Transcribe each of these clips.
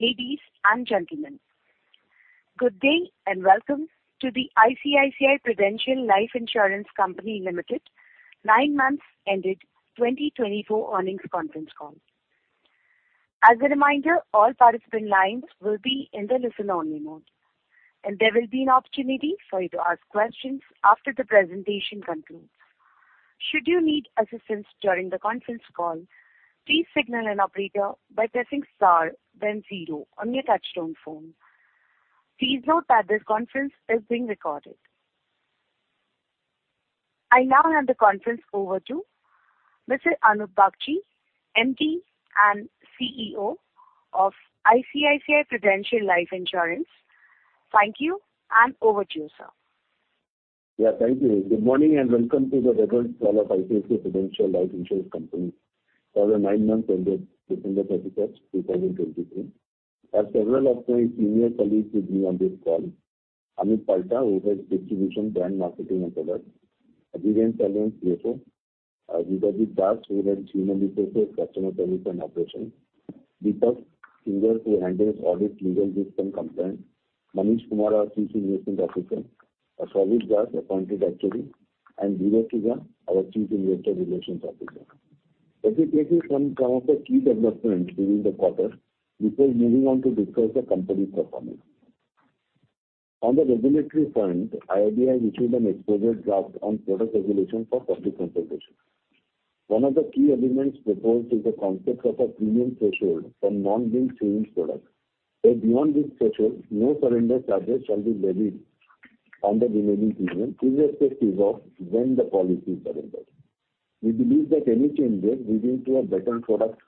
Ladies and gentlemen, good day, and welcome to the ICICI Prudential Life Insurance Company Limited nine months ended 2024 earnings conference call. As a reminder, all participant lines will be in the listen-only mode, and there will be an opportunity for you to ask questions after the presentation concludes. Should you need assistance during the conference call, please signal an operator by pressing star then zero on your touchtone phone. Please note that this conference is being recorded. I now hand the conference over to Mr. Anup Bagchi, MD and CEO of ICICI Prudential Life Insurance. Thank you, and over to you, sir. Yeah, thank you. Good morning, and welcome to the results call of ICICI Prudential Life Insurance Company for the nine months ended September 31, 2023. I have several of my senior colleagues with me on this call. Amit Palta, who heads Distribution, Brand, Marketing, and Product. Dhiren Salian, CFO. Judhajit Das, who heads Human Resources, Customer Service, and Operations. Deepak Kinger, who handles Audit, Legal, Risk, and Compliance. Manish Kumar, our Chief Investment Officer. Biswajit Das, Appointed Actuary, and Deepad Teja, our Chief Investor Relations Officer. Let me take you through some of the key developments during the quarter before moving on to discuss the company's performance. On the regulatory front, IRDAI issued an exposure draft on product regulation for public consultation. One of the key elements proposed is the concept of a premium threshold for non-linked savings products, where beyond this threshold, no surrender charges shall be levied on the remaining premium if the policy is surrendered when the policy is surrendered. We believe that any changes leading to a better product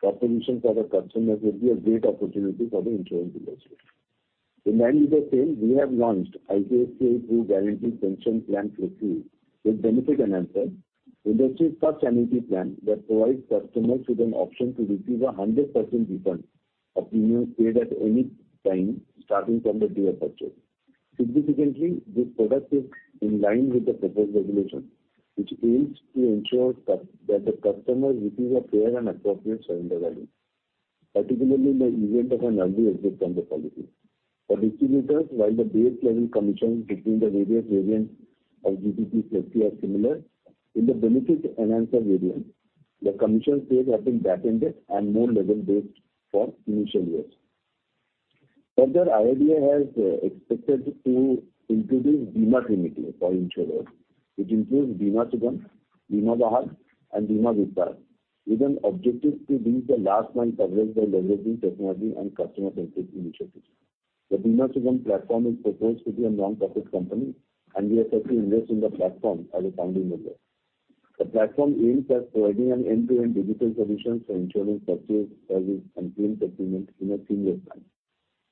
proposition for the customers will be a great opportunity for the insurance industry. In line with the same, we have launched ICICI Pru Guaranteed Pension Plan Flexi with Benefit Enhancer, industry's first annuity plan that provides customers with an option to receive a 100% refund of premiums paid at any time, starting from the day of purchase. Significantly, this product is in line with the proposed regulation, which aims to ensure that the customer receives a fair and appropriate surrender value, particularly in the event of an early exit on the policy. For distributors, while the base level commission between the various variants of GPP Flexi are similar, in the Benefit Enhancer variant, the commission rates have been backended and more level-based for initial years. Further, IRDAI has expected to introduce Bima Trinity for insurers, which includes Bima Sugam, Bima Vahak, and Bima Vistaar, with an objective to reach the last mile coverage by leveraging technology and customer-centric initiatives. The Bima Sugam platform is proposed to be a nonprofit company, and we are set to invest in the platform as a founding member. The platform aims at providing an end-to-end digital solution for insurance purchase, service, and claim settlement in a single plan.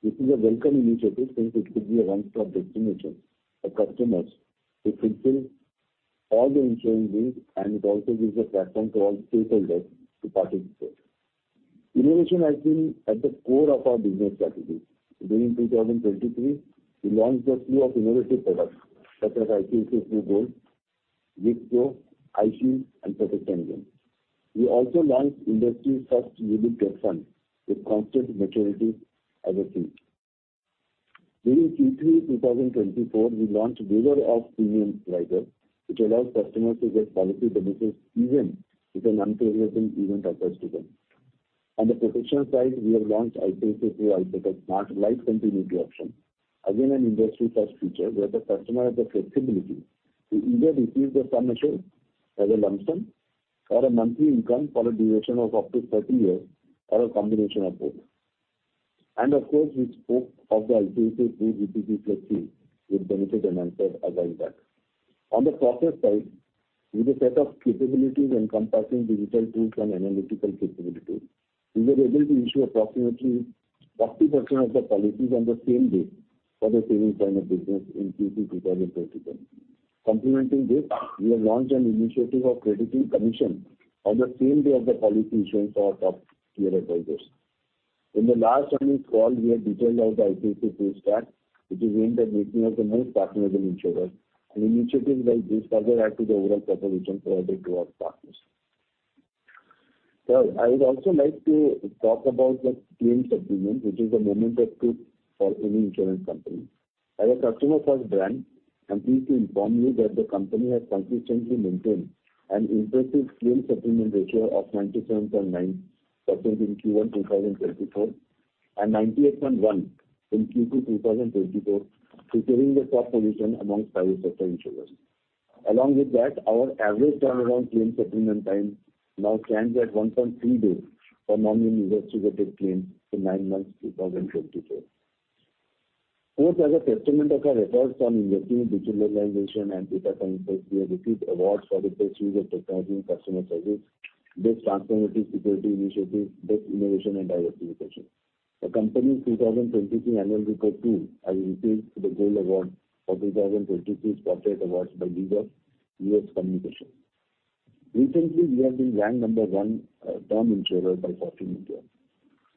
This is a welcome initiative since it could be a one-stop destination for customers to fulfill all their insurance needs, and it also gives a platform to all stakeholders to participate. Innovation has been at the core of our business strategy. During 2023, we launched a slew of innovative products, such as ICICI Pru Gold, Pru GIFT Pro, iShield, and Protect N Gain. We also launched industry's first unit-linked plan with constant maturity as a theme. During Q3 2024, we launched Waiver of Premium rider, which allows customers to get policy benefits even if an untoward event occurs to them. On the professional side, we have launched ICICI Pru iProtect Smart Life Continuity Option, again, an industry-first feature, where the customer has the flexibility to either receive the sum assured as a lump sum or a monthly income for a duration of up to 30 years or a combination of both. And of course, we spoke of the ICICI Pru GPP Flexi with Benefit Enhancer as I said. On the process side, with a set of capabilities encompassing digital tools and analytical capabilities, we were able to issue approximately 80% of the policies on the same day for the same line of business in Q2 2023. Complementing this, we have launched an initiative of crediting commission on the same day of the policy issuance for our top tier advisors. In the last earnings call, we had detailed out the ICICI Pru Stack, which is aimed at making us the most partner-led insurer, and initiatives like this further add to the overall proposition provided to our partners. Well, I would also like to talk about the claim settlement, which is the moment of truth for any insurance company. As a customer-first brand, I'm pleased to inform you that the company has consistently maintained an impressive claim settlement ratio of 97.9% in Q1 2024, and 98.1% in Q2 2024, securing the top position amongst private sector insurers. Along with that, our average turnaround claim settlement time now stands at 1.3 days for non-investigated claims in nine months 2024. Also, as a testament of our efforts on investing in digitalization and data science, we have received awards for the best use of technology in customer service, best transformative security initiative, best innovation and diversification. The company's 2023 annual report, too, has received the Gold Award for 2023 Corporate Awards by League of Ameican Communications Professional. Recently, we have been ranked number one term insurer by Fortune India.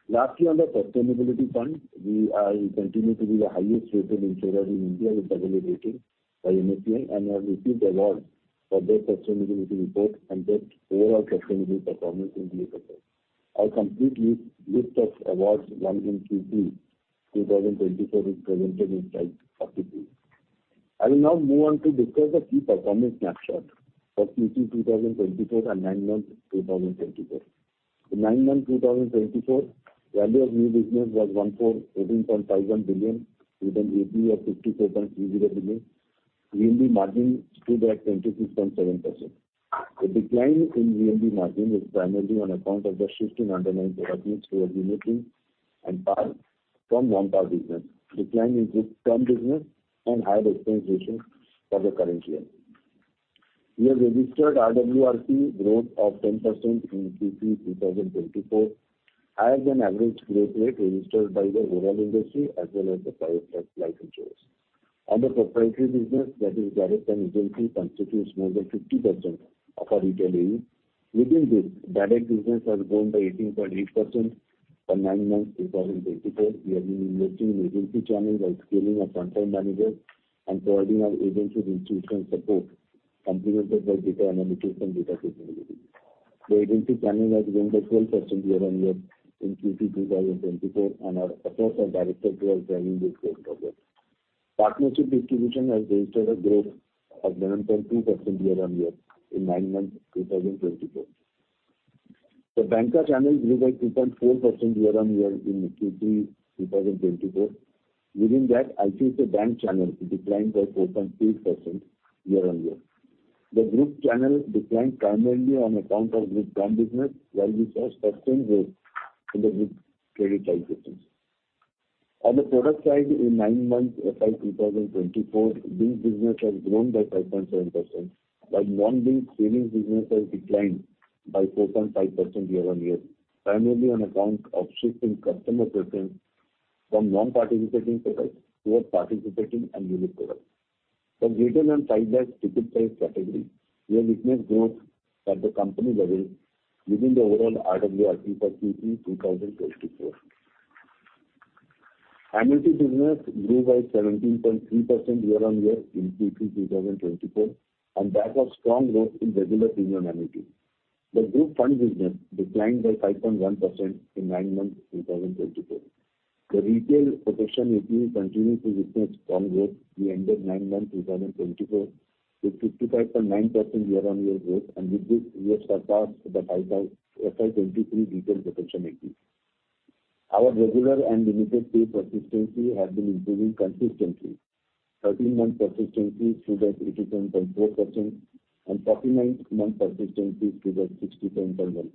Lastly, on the sustainability front, we continue to be the highest-rated insurer in India with double A rating by CARE and have received award for best sustainability report and best overall sustainability performance in the sector. Our complete list of awards won in Q2 2024 is presented inside of the page. I will now move on to discuss the key performance snapshot for Q3 2024 and nine months 2024. The nine months 2024, value of new business was 14.18 billion, with an APE of 54.3 billion. VNB margin stood at 26.7%. The decline in VNB margin is primarily on account of the shift in underlying products towards unit linked and PAR from non-PAR business, decline in group term business, and higher expense ratio for the current year. We have registered RWRP growth of 10% in Q3 2024, higher than average growth rate registered by the overall industry, as well as the private life insurers. On the proprietary business, that is, direct and agency, constitutes more than 50% of our retail AUM. Within this, direct business has grown by 18.8% for nine months 2024. We have been investing in agency channel by scaling our channel managers and providing our agency with institutional support, complemented by data analytics and data capabilities. The agency channel has grown by 12% year-on-year in Q3 2024, and our efforts are directed towards driving this growth further. Partnership distribution has registered a growth of 9.2% year-on-year in nine months 2024. The Banca channel grew by 2.4% year-on-year in Q3 2024. Within that, ICICI Bank channel declined by 4.3% year-on-year. The group channel declined primarily on account of group term business, while we saw sustained growth in the group credit life business. On the product side, in nine months FY 2024, banc business has grown by 5.7%, while non-banc savings business has declined by 4.5% year-on-year, primarily on account of shifting customer preference from non-participating products towards participating and unit products. For retail and tied-down ticket price category, we have witnessed growth at the company level within the overall RWRP for Q3 2024. Annuity business grew by 17.3% year-on-year in Q3 2024, and that was strong growth in regular premium annuity. The group fund business declined by 5.1% in nine months 2024. The retail Protection APE continued to witness strong growth at the end of nine months 2024, with 55.9% year-on-year growth, and with this, we have surpassed the FY 2023 retail Protection APE. Our regular and limited pay persistency have been improving consistently. 13-month persistency stood at 80.4%, and 49th month persistency stood at 60.1%.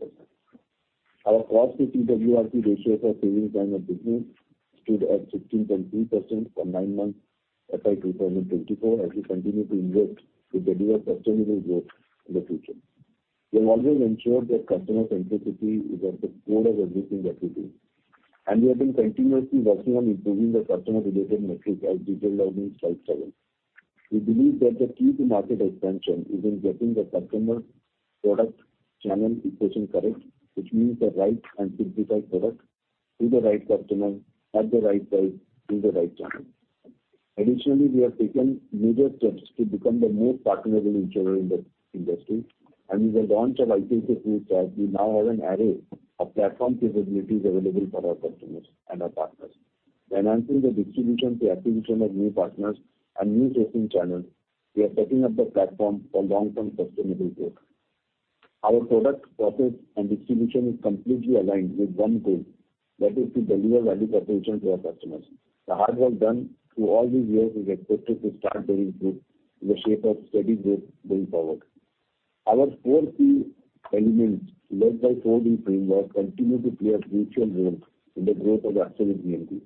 Our cost to CWRP ratio for savings line of business stood at 16.3% for nine months FY 2024, as we continue to invest to deliver sustainable growth in the future. We have always ensured that customer centricity is at the core of everything that we do, and we have been continuously working on improving the customer-related metrics as detailed out in slide seven. We believe that the key to market expansion is in getting the customer, product, channel equation correct, which means the right and simplified product to the right customer at the right price through the right channel. Additionally, we have taken major steps to become the most partnerable insurer in the industry, and with the launch of ICICI Pru Stack, we now have an array of platform capabilities available for our customers and our partners. By enhancing the distribution to acquisition of new partners and new sourcing channels, we are setting up the platform for long-term sustainable growth. Our product, process, and distribution is completely aligned with one goal, that is to deliver value proposition to our customers. The hard work done through all these years is expected to start bearing fruit in the shape of steady growth going forward. Our 4P elements, led by 4D framework, continue to play a crucial role in the growth of ICICI Prudential Life Insurance.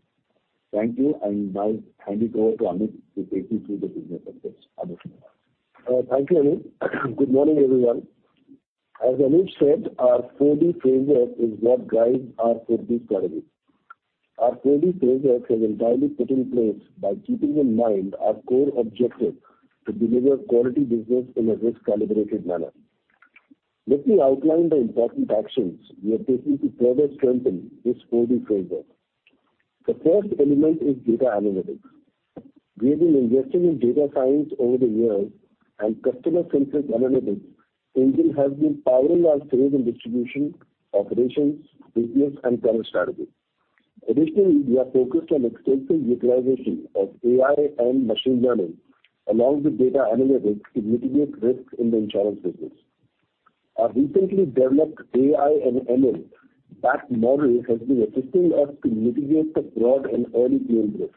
Thank you, and now I hand it over to Amit to take you through the business updates. Amit? Thank you, Anup. Good morning, everyone. As Anup said, our 4D framework is what guides our 4D strategy. Our 4D framework is entirely put in place by keeping in mind our core objective to deliver quality business in a risk-calibrated manner. Let me outline the important actions we are taking to further strengthen this 4D framework. The first element is data analytics. We have been investing in data science over the years, and customer-centric analytics engine has been powering our sales and distribution, operations, business, and channel strategy. Additionally, we are focused on extensive utilization of AI and machine learning, along with data analytics, to mitigate risk in the insurance business. Our recently developed AI and ML PAC model has been assisting us to mitigate the fraud and early claim risk.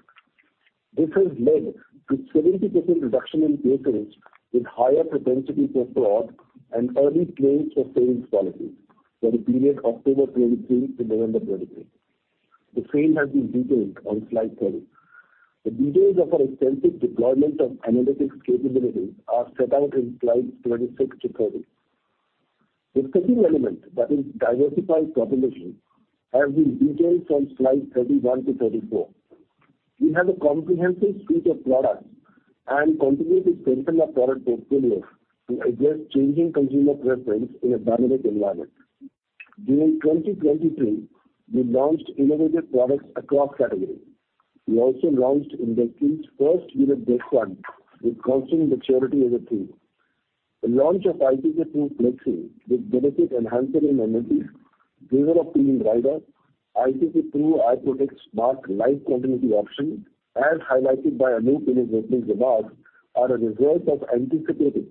This has led to 70% reduction in cases with higher propensity for fraud and early claims for savings policies for the period October 2023 to November 2023. The frame has been detailed on slide 30. The details of our extensive deployment of analytics capabilities are set out in slides 36 to 30. The second element, that is diversified population, has been detailed on slide 31 to 34. We have a comprehensive suite of products and continue to strengthen our product portfolio to adjust changing consumer preference in a dynamic environment. During 2023, we launched innovative products across categories. We also launched industry's first unit-linked plan with constant maturity as a theme. The launch of ICICI Pru GPP Flexi with Benefit Enhancer in annuity, waiver of premium rider, ICICI Pru iProtect Smart life continuity option, as highlighted by Anup in his opening remarks, are a result of anticipating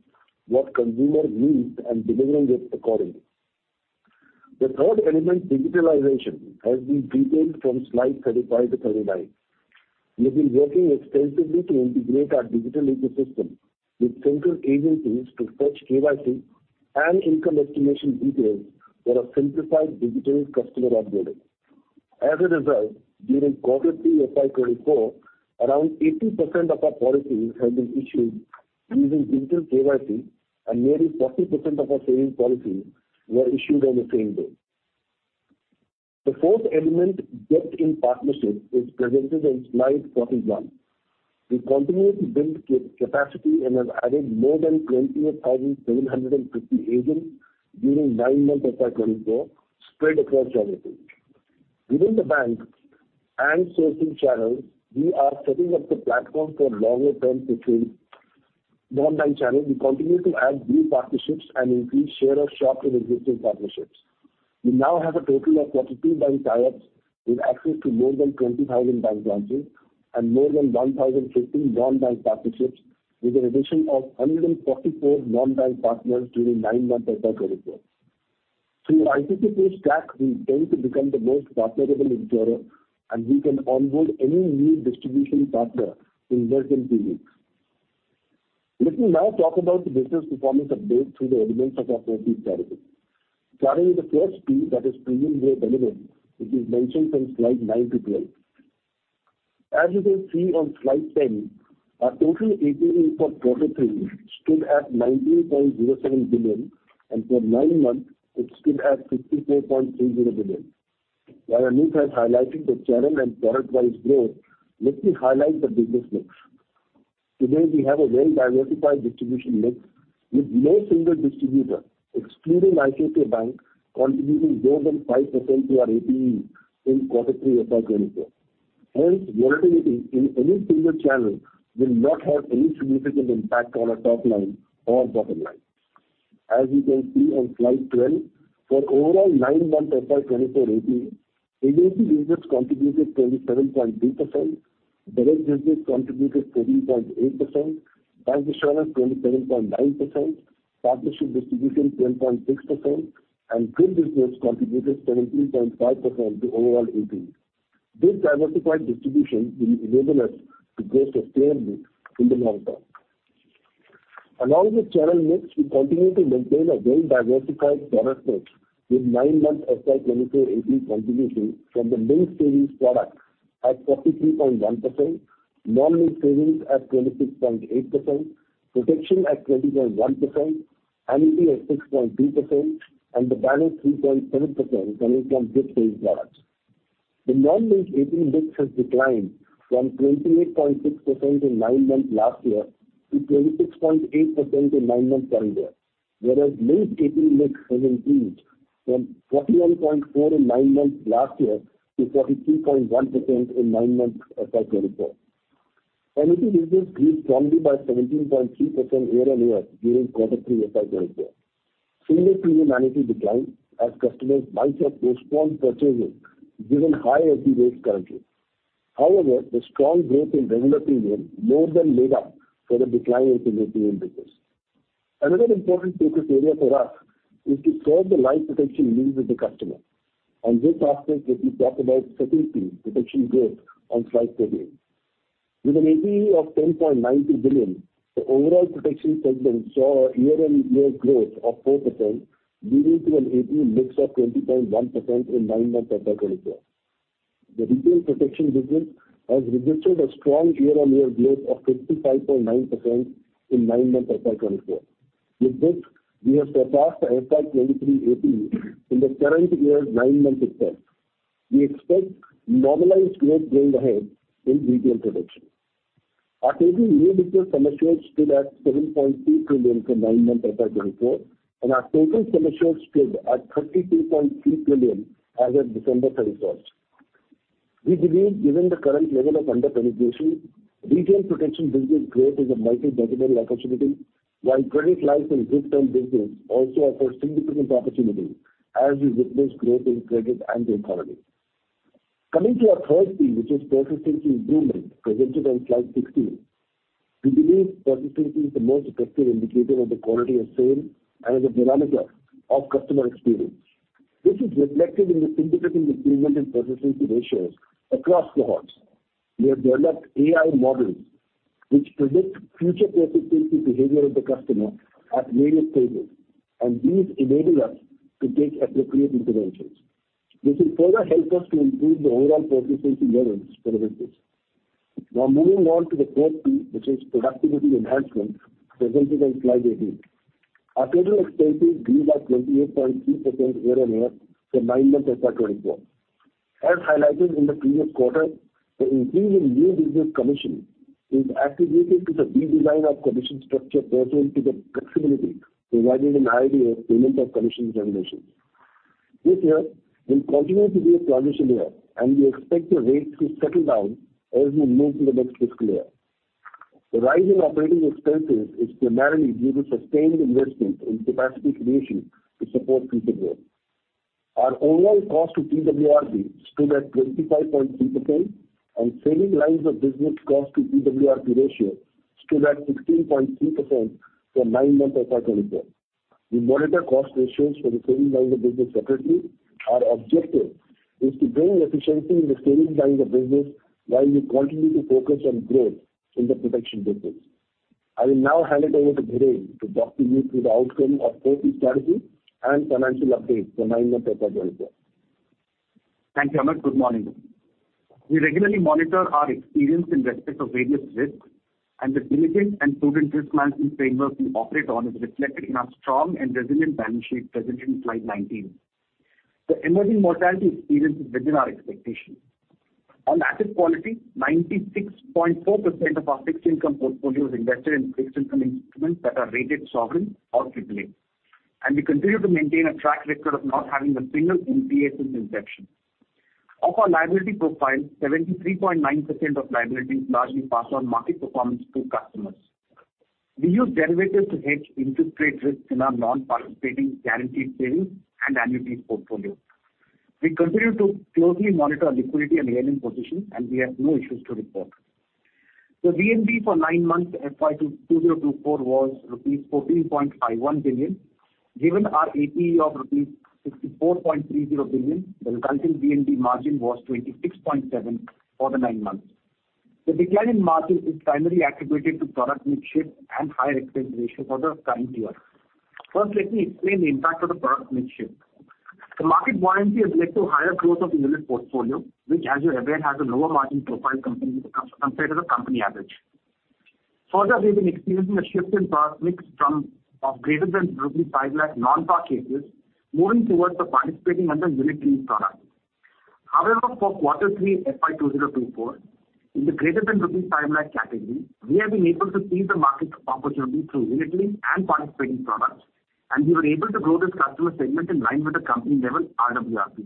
what consumer needs and delivering it accordingly. The third element, digitalization, has been detailed from slide 35 to 39. We've been working extensively to integrate our digital ecosystem with central agencies to fetch KYC and income estimation details for a simplified digital customer onboarding. As a result, during quarter three FY 2024, around 80% of our policies have been issued using digital KYC, and nearly 40% of our savings policies were issued on the same day. The fourth element, depth in partnership, is presented on slide 41. We continue to build capacity and have added more than 28,750 agents during nine months of FY 2024, spread across geography. Within the bank and sourcing channels, we are setting up the platform for longer term success. Non-bank channel, we continue to add new partnerships and increase share of shop in existing partnerships. We now have a total of 42 bank tie-ups, with access to more than 20,000 bank branches and more than 1,050 non-bank partnerships, with an addition of 144 non-bank partners during nine months of FY 2024. Through ICICI Pru Stack, we aim to become the most preferable insurer, and we can onboard any new distribution partner in less than two weeks. Let me now talk about the business performance update through the elements of our 4P strategy. Starting with the first P, that is premium-led element, which is mentioned from slide nine to 10. As you can see on slide 10, our total APE for quarter three stood at 19.07 billion, and for nine months, it stood at 54.30 billion. While Anup has highlighted the channel and product-wise growth, let me highlight the business mix. Today, we have a well-diversified distribution mix, with no single distributor, excluding ICICI Bank, contributing more than 5% to our APE in quarter three FY 2024. Hence, volatility in any single channel will not have any significant impact on our top line or bottom line. As you can see on slide 12, for overall nine months FY 2024 APE, agency business contributed 27.2%, direct business contributed 20.8%, bancassurance 27.9%, partnership distribution 10.6%, and group business contributed 17.5% to overall APE. This diversified distribution will enable us to grow sustainably in the long term. Along with channel mix, we continue to maintain a well-diversified product mix, with nine months FY 2024 APE contribution from the link savings product at 43.1%, non-linked savings at 26.8%, protection at 20.1%, annuity at 6.2%, and the balance 3.7% coming from GIFT sales products. The non-linked APE mix has declined from 28.6% in nine months last year to 26.8% in nine months current year, whereas linked APE mix has increased from 41.4% in nine months last year to 42.1% in nine months FY 2024. Annuity business grew strongly by 17.3% year-on-year during quarter three FY 2024. Single premium annuity declined as customers might have postponed purchases, given high FD rates currently. However, the strong growth in regular premium more than made up for the decline in the APA business. Another important focus area for us is to serve the life protection needs of the customer, and this aspect let me talk about secondly, protection growth on slide 13. With an APE of 10.90 billion, the overall protection segment saw a year-on-year growth of 4%, leading to an APE mix of 20.1% in nine months FY 2024. The retail protection business has registered a strong year-on-year growth of 55.9% in nine months FY 2024. With this, we have surpassed the FY 2023 APE in the current year's nine-month itself. We expect normalized growth going ahead in retail protection. Our total individual sum assured stood at INR 7.2 trillion for nine months FY 2024, and our total sum assured stood at 32.3 trillion as at December 31. We believe, given the current level of underpenetration, retail protection business growth is a multi-decadal opportunity, while credit life and group term business also offers significant opportunity as we witness growth in credit and the economy. Coming to our third P, which is persistency improvement, presented on slide 16. We believe persistency is the most effective indicator of the quality of sale and as a barometer of customer experience. This is reflected in the significant improvement in persistency ratios across cohorts. We have developed AI models, which predict future persistency behavior of the customer at various stages, and these enable us to take appropriate interventions. This will further help us to improve the overall persistency levels for the business. Now moving on to the fourth P, which is productivity enhancement, presented on slide 18. Our total expenses grew by 28.3% year-on-year for nine months FY 2024. As highlighted in the previous quarter, the increase in new business commission is attributed to the redesign of commission structure pursuant to the flexibility provided in IRDAI payment of commissions regulations.... This year will continue to be a transition year, and we expect the rates to settle down as we move to the next fiscal year. The rise in operating expenses is primarily due to sustained investment in capacity creation to support future growth. Our overall cost to PWRP stood at 25.3%, and saving lines of business cost to PWRP ratio stood at 16.3% for nine months of FY 2024. We monitor cost ratios for the saving lines of business separately. Our objective is to bring efficiency in the savings lines of business, while we continue to focus on growth in the protection business. I will now hand it over to Dhiren to talk to you through the outcome of four key strategies and financial updates for nine months of FY 2024. Thank you, Amit. Good morning. We regularly monitor our experience in respect of various risks, and the diligent and proven risk management framework we operate on is reflected in our strong and resilient balance sheet presented in slide 19. The emerging mortality experience is within our expectations. On asset quality, 96.4% of our fixed income portfolio is invested in fixed income instruments that are rated sovereign or AAA, and we continue to maintain a track record of not having a single NPA since inception. Of our liability profile, 73.9% of liabilities largely pass on market performance to customers. We use derivatives to hedge interest rate risks in our non-participating guaranteed savings and annuities portfolio. We continue to closely monitor our liquidity and ALM position, and we have no issues to report. The VNB for nine months, FY 2024 was rupees 14.51 billion, given our APE of rupees 64.30 billion, the resulting VNB margin was 26.7% for the nine months. The decline in margin is primarily attributed to product mix shift and higher expense ratio for the current year. First, let me explain the impact of the product mix shift. The market buoyancy has led to higher growth of the unit portfolio, which, as you're aware, has a lower margin profile compared to the company average. Further, we've been experiencing a shift in product mix from of greater than rupees 5 lakh non-PAR cases moving towards the participating under unit linked products. However, for quarter three, FY 2024, in the greater than rupees 5 lakh category, we have been able to seize the market opportunity through unit linked and participating products, and we were able to grow this customer segment in line with the company level RWRP.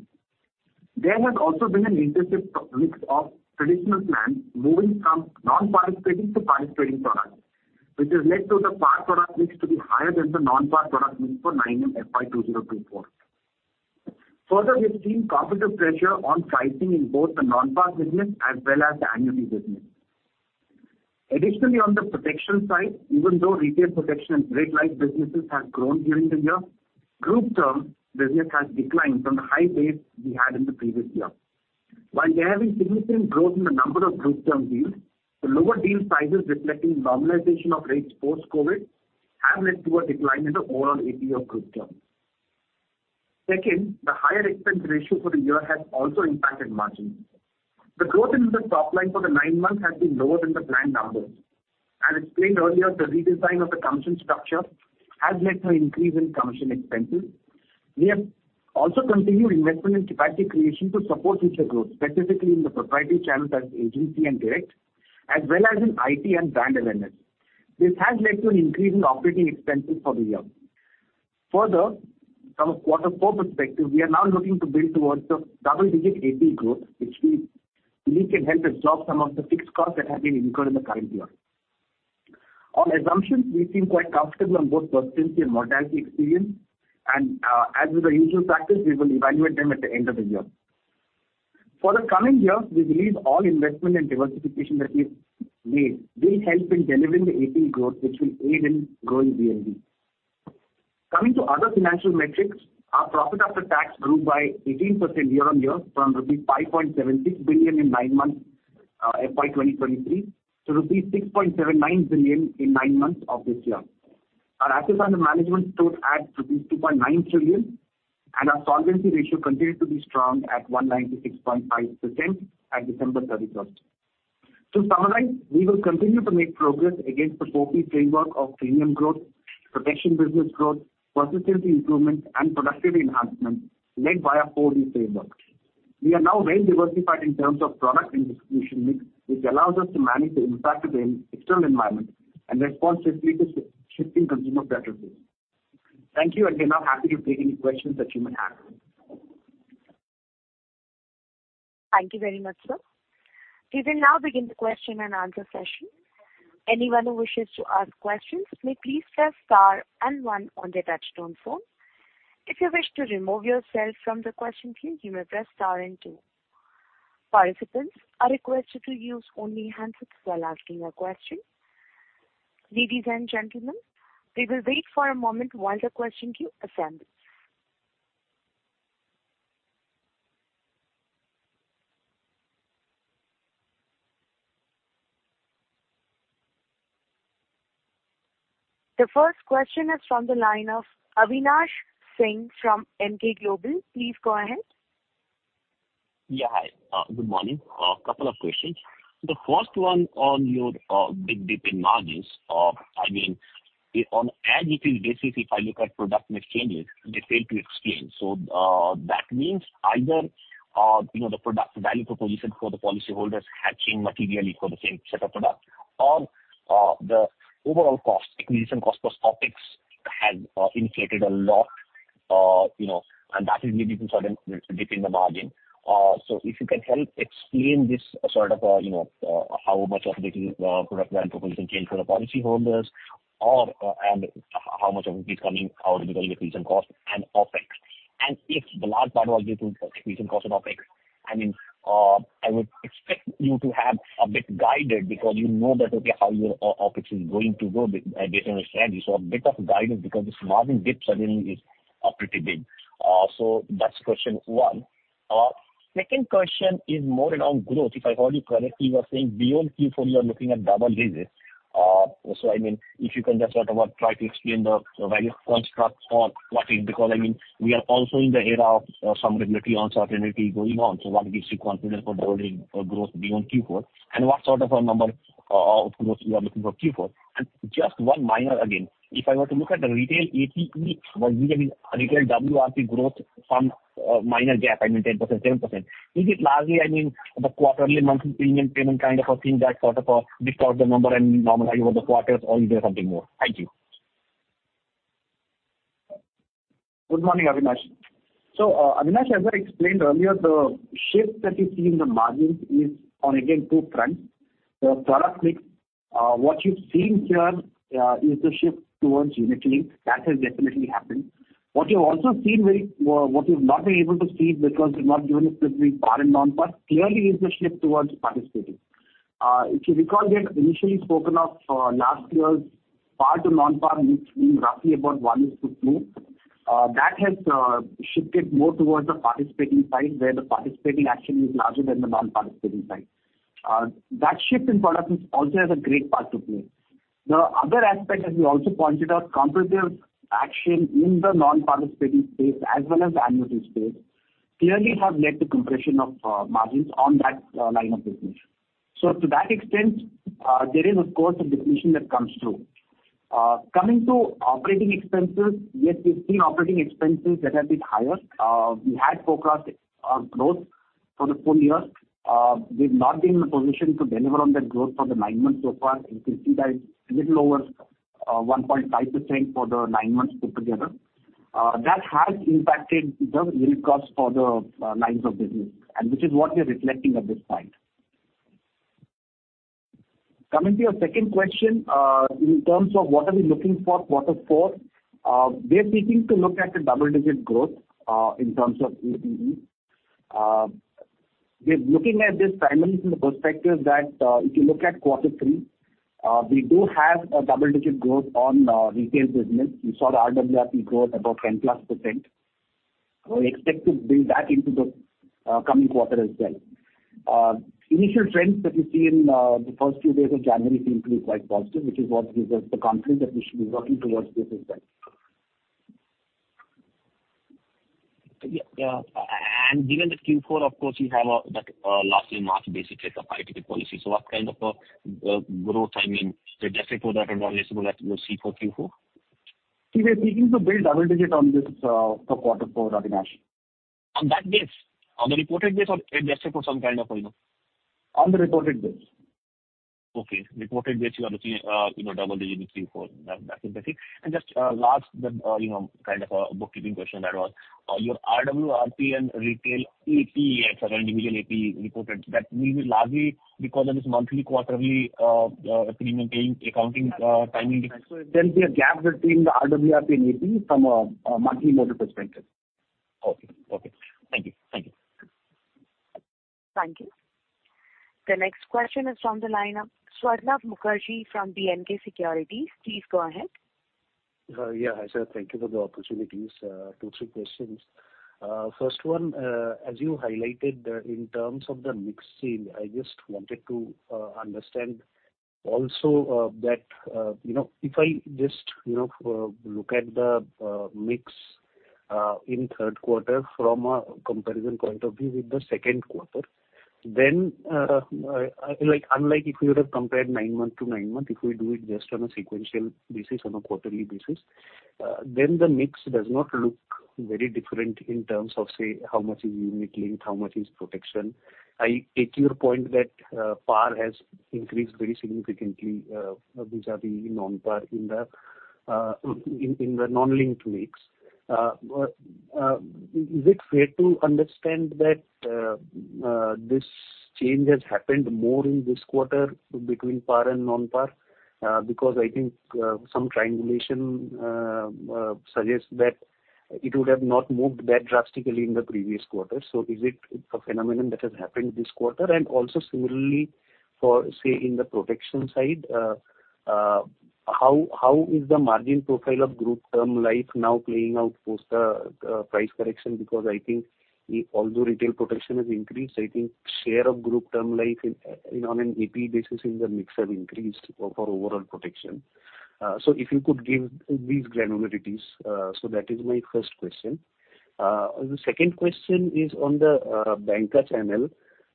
There has also been an interesting product mix of traditional plans moving from non-participating to participating products, which has led to the PAR product mix to be higher than the non-PAR product mix for nine months, FY 2024. Further, we've seen competitive pressure on pricing in both the non-PAR business as well as the annuity business. Additionally, on the protection side, even though retail protection and group life businesses have grown during the year, group term business has declined from the high base we had in the previous year. While we are having significant growth in the number of group term deals, the lower deal sizes reflecting normalization of rates post-COVID have led to a decline in the overall APE of group term. Second, the higher expense ratio for the year has also impacted margins. The growth into the top line for the nine months has been lower than the planned numbers. As explained earlier, the redesign of the commission structure has led to an increase in commission expenses. We have also continued investment in capacity creation to support future growth, specifically in the proprietary channels as agency and direct, as well as in IT and brand awareness. This has led to an increase in operating expenses for the year. Further, from a quarter four perspective, we are now looking to build towards the double-digit APE growth, which we believe can help absorb some of the fixed costs that have been incurred in the current year. On assumptions, we feel quite comfortable on both persistency and mortality experience, and, as with the usual practice, we will evaluate them at the end of the year. For the coming years, we believe all investment and diversification that we've made will help in delivering the APE growth, which will aid in growing VNB. Coming to other financial metrics, our profit after tax grew by 18% year-on-year from rupees 5.76 billion in nine months, FY 2023, to rupees 6.79 billion in nine months of this year. Our assets under management stood at rupees 2.9 trillion, and our solvency ratio continues to be strong at 196.5% at December 31st. To summarize, we will continue to make progress against the four key framework of premium growth, protection business growth, persistency improvement, and productivity enhancement led by our 4D framework. We are now well diversified in terms of product and distribution mix, which allows us to manage the impact of the external environment and responsibly to shifting consumer preferences. Thank you, and we are now happy to take any questions that you may have. Thank you very much, sir. We will now begin the question and answer session. Anyone who wishes to ask questions, may please press star and one on their touchtone phone. If you wish to remove yourself from the question queue, you may press star and two. Participants are requested to use only handsets while asking a question. Ladies and gentlemen, we will wait for a moment while the question queue assembles. The first question is from the line of Avinash Singh from Emkay Global. Please go ahead. Yeah, hi, good morning. Couple of questions. The first one on your big dip in margins. I mean, on VNB, the VNB if I look at product mix changes, they fail to explain. So, that means either, you know, the product value proposition for the policyholders has changed materially for the same set of products, or, the overall cost, increase in cost of top-ups has inflated a lot? You know, and that is maybe some sort of dip in the margin. So if you can help explain this sort of, you know, how much of it is product and value proposition change for the policyholders, or, and how much of it is coming out of the recent cost and OpEx? If the large part was due to recent cost and OpEx, I mean, I would expect you to have a bit guided, because you know better how your OpEx is going to go, based on your strategy. So a bit of guidance, because this margin dip suddenly is pretty big. So that's question one. Second question is more around growth. If I heard you correctly, you were saying beyond Q4, you are looking at double digits. So I mean, if you can just sort of try to explain the value construct for what is. Because, I mean, we are also in the era of some regulatory uncertainty going on. So what gives you confidence for building growth beyond Q4, and what sort of a number of growth you are looking for Q4? Just one minor again, if I were to look at the retail APE, what do you mean, retail RWRP growth from minor gap, I mean, 10%, 10%. Is it largely, I mean, the quarterly, monthly premium payment kind of a thing that sort of distort the number and normalize over the quarters, or is there something more? Thank you. Good morning, Avinash. So, Avinash, as I explained earlier, the shift that you see in the margins is on, again, two fronts. The product mix, what you've seen here, is the shift towards unit link. That has definitely happened. What you've not been able to see because we've not given you specifically par and non-par, clearly is the shift towards participating. If you recall, we had initially spoken of, last year's par to non-par mix being roughly about 1:2. That has shifted more towards the participating side, where the participating actually is larger than the non-participating side. That shift in product mix also has a great part to play. The other aspect, as we also pointed out, competitive action in the non-participating space as well as the annuity space, clearly have led to compression of, margins on that, line of business. So to that extent, there is, of course, a depletion that comes through. Coming to operating expenses, yes, we've seen operating expenses that have been higher. We had forecast our growth for the full year. We've not been in a position to deliver on that growth for the nine months so far. You can see that it's a little over, 1.5% for the nine months put together. That has impacted the real costs for the, lines of business, and which is what we are reflecting at this time. Coming to your second question, in terms of what are we looking for quarter four, we are seeking to look at a double-digit growth in terms of APE. We're looking at this primarily from the perspective that, if you look at quarter three, we do have a double-digit growth on retail business. We saw the RWRP growth about 10%+. We expect to build that into the coming quarter as well. Initial trends that we see in the first few days of January seem to be quite positive, which is what gives us the confidence that we should be working towards this as well. Yeah, and given that Q4, of course, you have that last year March base effect of high ticket policy. So what kind of growth, I mean, adjusted for that and available that we will see for Q4? We are seeking to build double-digit on this, for quarter four, Avinash. On that base? On the reported base or adjusted for some kind of, you know... On the reported base. Okay. Reported base, you are looking at, you know, double-digit Q4. That's perfect. And just, last, you know, kind of, bookkeeping question that was, your RWRP and retail APE as an individual APE reported, that will be largely because of this monthly, quarterly, premium paying accounting, timing. There'll be a gap between the RWRP and APE from a monthly model perspective. Okay. Okay. Thank you. Thank you. Thank you. The next question is from the line of Swarnabha Mukherjee from B&K Securities. Please go ahead. Yeah, hi, sir. Thank you for the opportunities, two, three questions. First one, as you highlighted, in terms of the mix change, I just wanted to understand also that, you know, if I just, you know, look at the mix in third quarter from a comparison point of view with the second quarter, then, like, unlike if we were to compare nine-month to nine-month, if we do it just on a sequential basis, on a quarterly basis, then the mix does not look very different in terms of, say, how much is unit-linked, how much is protection. I take your point that, PAR has increased very significantly, vis-a-vis non-PAR in the non-linked mix. Is it fair to understand that this change has happened more in this quarter between par and non-par? Because I think some triangulation suggests that it would have not moved that drastically in the previous quarter. So is it a phenomenon that has happened this quarter? And also similarly for, say, in the protection side, how is the margin profile of group term life now playing out post the price correction? Because I think although retail protection has increased, I think share of group term life in on an APE basis in the mix have increased for overall protection. So if you could give these granularities, so that is my first question. The second question is on the banker channel.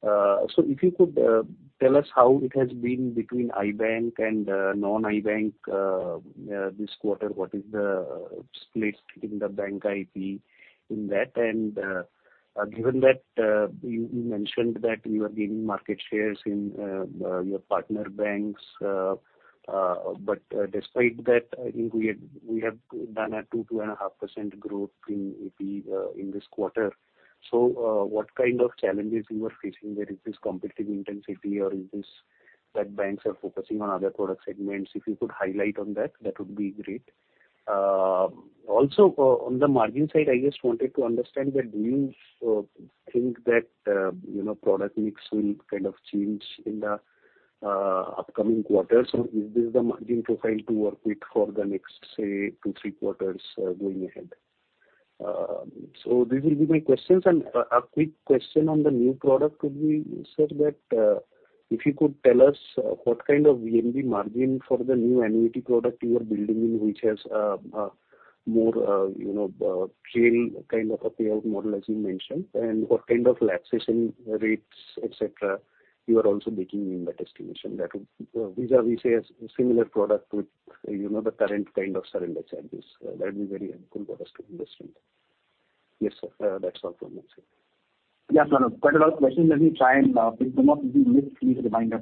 So if you could tell us how it has been between IBank and non-IBank this quarter, what is the split in the bank IP in that and given that you mentioned that you are gaining market shares in your partner banks, but despite that, I think we have done a 2%-2.5% growth in AP in this quarter. So what kind of challenges you are facing there? Is this competitive intensity or is this that banks are focusing on other product segments? If you could highlight on that, that would be great. Also, on the margin side, I just wanted to understand that do you think that, you know, product mix will kind of change in the upcoming quarters, or is this the margin profile to work with for the next, say, two, three quarters, going ahead? So this will be my questions. And a quick question on the new product would be, sir, that if you could tell us what kind of VNB margin for the new annuity product you are building in, which has more, you know, trail kind of a payout model, as you mentioned, and what kind of lapse rates, et cetera, you are also baking in the estimation. That would—these are, we say, a similar product with, you know, the current kind of surrender charges. That'd be very helpful for us to understand. Yes, sir. That's all from my side. Yes, no, no. Quite a lot of questions. Let me try and, if I do not, please remind us.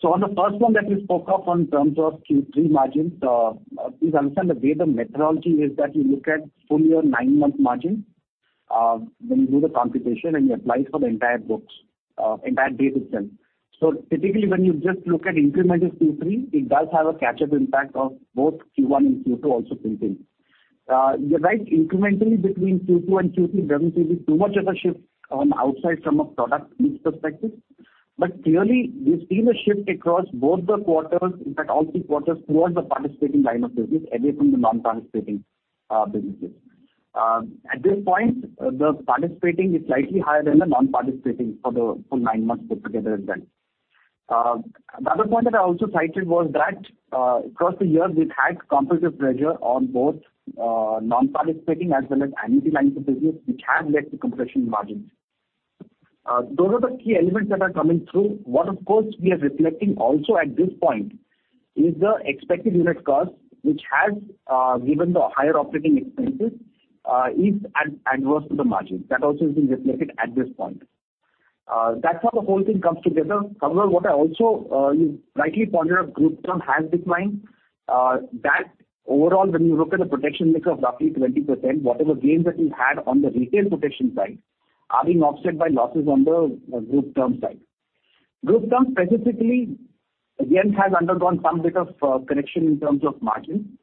So on the first one that you spoke of in terms of Q3 margins, please understand the way the methodology is that you look at full year, nine-month margin, when you do the computation, and you apply it for the entire books, entire base itself. So typically, when you just look at incremental Q3, it does have a catch-up impact of both Q1 and Q2 also built in. You're right, incrementally between Q2 and Q3, there doesn't seem to be too much of a shift on the outside from a product mix perspective. But clearly, we've seen a shift across both the quarters, in fact, all three quarters, towards the participating line of business, away from the non-participating, businesses. At this point, the participating is slightly higher than the non-participating for the full nine months put together as well. The other point that I also cited was that, across the years, we've had competitive pressure on both, non-participating as well as annuity lines of business, which has led to compression in margins. Those are the key elements that are coming through. What, of course, we are reflecting also at this point is the expected unit cost, which has, given the higher operating expenses, is adverse to the margins. That also is being reflected at this point. That's how the whole thing comes together. However, what I also, you rightly pointed out, group term has declined. That overall, when you look at the protection mix of roughly 20%, whatever gains that we had on the retail protection side are being offset by losses on the group term side. Group term specifically, again, has undergone some bit of correction in terms of margin,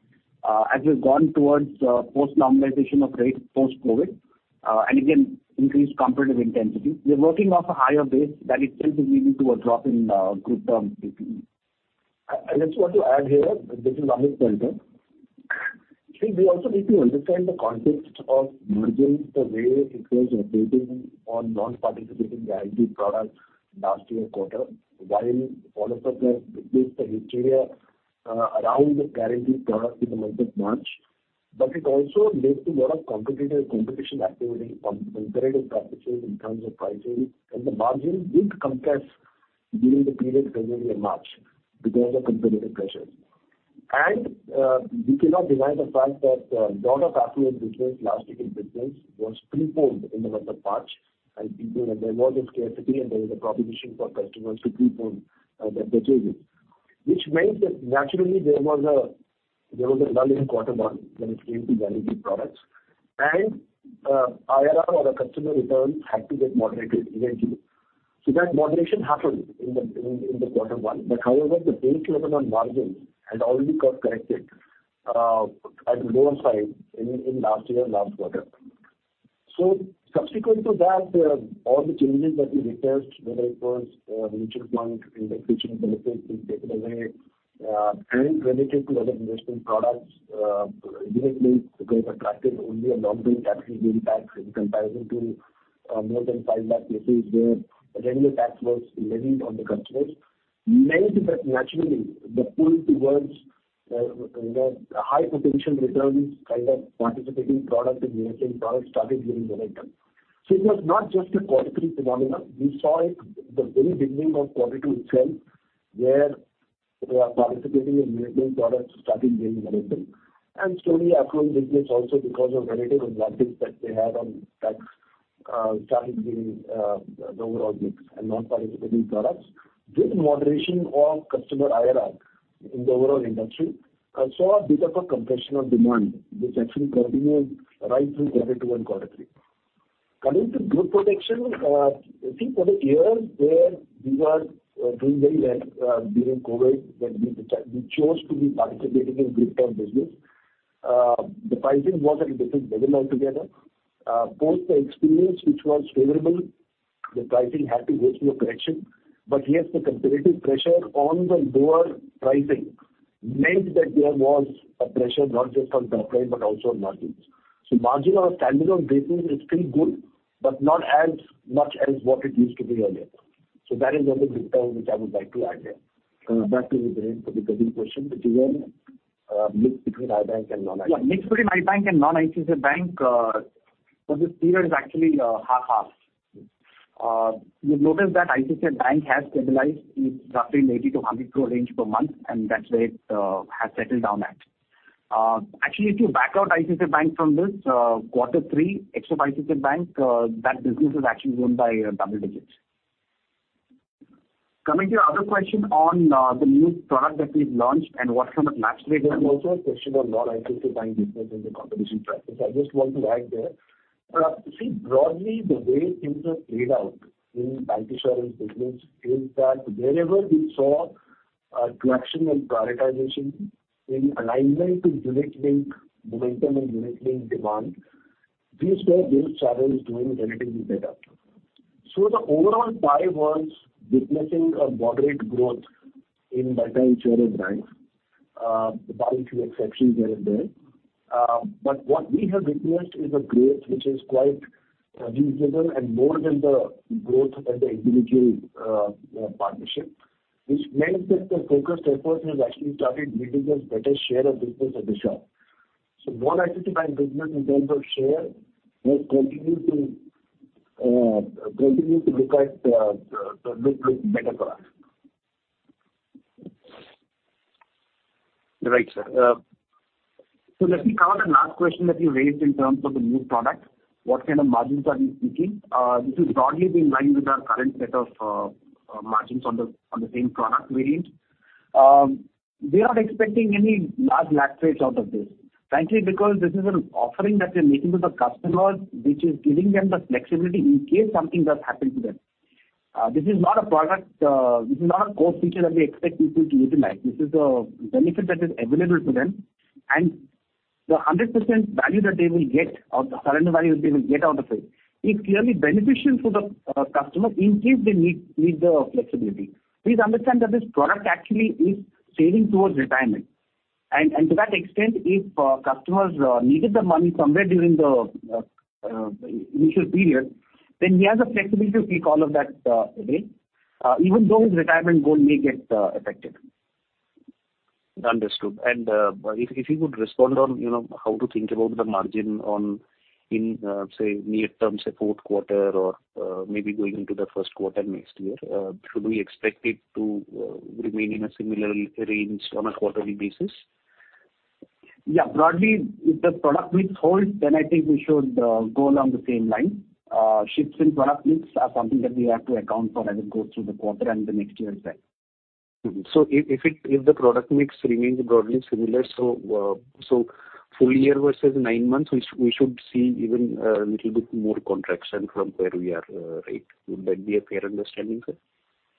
as we've gone towards post-normalization of rates post-COVID, and again, increased competitive intensity. We are working off a higher base, that itself is leading to a drop in group term CPE. I just want to add here, this is Amit Palta. I think we also need to understand the context of margins, the way it was updating on non-participating guarantee products last year quarter, while all of us are with the hysteria around the guarantee product in the month of March. But it also led to a lot of competitive competition activity on competitive practices in terms of pricing, and the margins did compress during the period February and March because of competitive pressures. And we cannot deny the fact that lot of affluent business, last year business, was preponed in the month of March, and there was a scarcity, and there was a proposition for customers to preponed their businesses. Which means that naturally there was a lull in quarter one when it came to guaranteed products, and IRR or the customer returns had to get moderated eventually. So that moderation happened in the quarter one. But however, the base level on margins had already got corrected at lower side in last year, last quarter. So subsequent to that, all the changes that we made, whether it was, mutual fund indexation benefits being taken away, and relative to other investment products, immediately they attracted only a long-term capital gains tax in comparison to, more than 5 lakh, where regular tax was levied on the customers, meant that naturally the pull towards, you know, high potential returns kind of participating product and managing products started gaining momentum. So it was not just a quarter three phenomenon. We saw it the very beginning of quarter two itself, where, participating in managing products started gaining momentum. And slowly, affluent business also, because of relative advantage that they had on tax, started being, the overall mix and non-participating products. This moderation of customer IRR in the overall industry saw bit of a compression of demand, which actually continued right through quarter two and quarter three. Coming to group protection, I think for the years where we were doing very well during COVID, we chose to be participating in group term business. The pricing was at a different level altogether. Post the experience, which was favorable, the pricing had to go through a correction, but yes, the competitive pressure on the lower pricing meant that there was a pressure not just on the top line, but also on margins. So margin on a standalone basis is still good, but not as much as what it used to be earlier. So that is the only detail which I would like to add there. Coming back to the original question, which is on mix between iBank and non-iBank. Yeah, mix between iBank and non-ICICI Bank for this period is actually half-half. You'll notice that ICICI Bank has stabilized in roughly 80 crore-100 crore range per month, and that's where it has settled down at. Actually, if you back out ICICI Bank from this quarter three, except ICICI Bank, that business is actually grown by double digits. Coming to your other question on the new product that we've launched and what kind of lapse rate. There's also a question of non-ICICI Bank business in the competition track. I just want to add there. See, broadly, the way things have played out in bank insurance business is that wherever we saw collection and prioritization in alignment to direct link momentum and direct link demand, these were business channels doing relatively better. So the overall pie was witnessing a moderate growth in bank insurance banks, barring few exceptions here and there. But what we have witnessed is a growth which is quite reasonable and more than the growth at the individual partnership, which means that the focused effort has actually started giving us better share of business at the shop. So non-ICICI Bank business in terms of share has continued to look like better for us. Right, sir. So let me cover the last question that you raised in terms of the new product. What kind of margins are we speaking? This is broadly in line with our current set of margins on the same product variant. We are not expecting any large lapse rates out of this, frankly, because this is an offering that we're making to the customers, which is giving them the flexibility in case something does happen to them. This is not a product; this is not a core feature that we expect people to utilize. This is a benefit that is available to them, and the 100% value that they will get or the surrender value that they will get out of it is clearly beneficial to the customer in case they need the flexibility. Please understand that this product actually is saving towards retirement. To that extent, if customers needed the money somewhere during the initial period, then he has the flexibility to take all of that away, even though his retirement goal may get affected. Understood. If you would respond on, you know, how to think about the margin on in, say, near term, say, fourth quarter or, maybe going into the first quarter next year. Should we expect it to remain in a similar range on a quarterly basis? Yeah. Broadly, if the product mix holds, then I think we should go along the same line. Shifts in product mix are something that we have to account for as we go through the quarter and the next year as well. Mm-hmm. So if the product mix remains broadly similar, so full year versus nine months, we should see even little bit more contraction from where we are, right? Would that be a fair understanding, sir?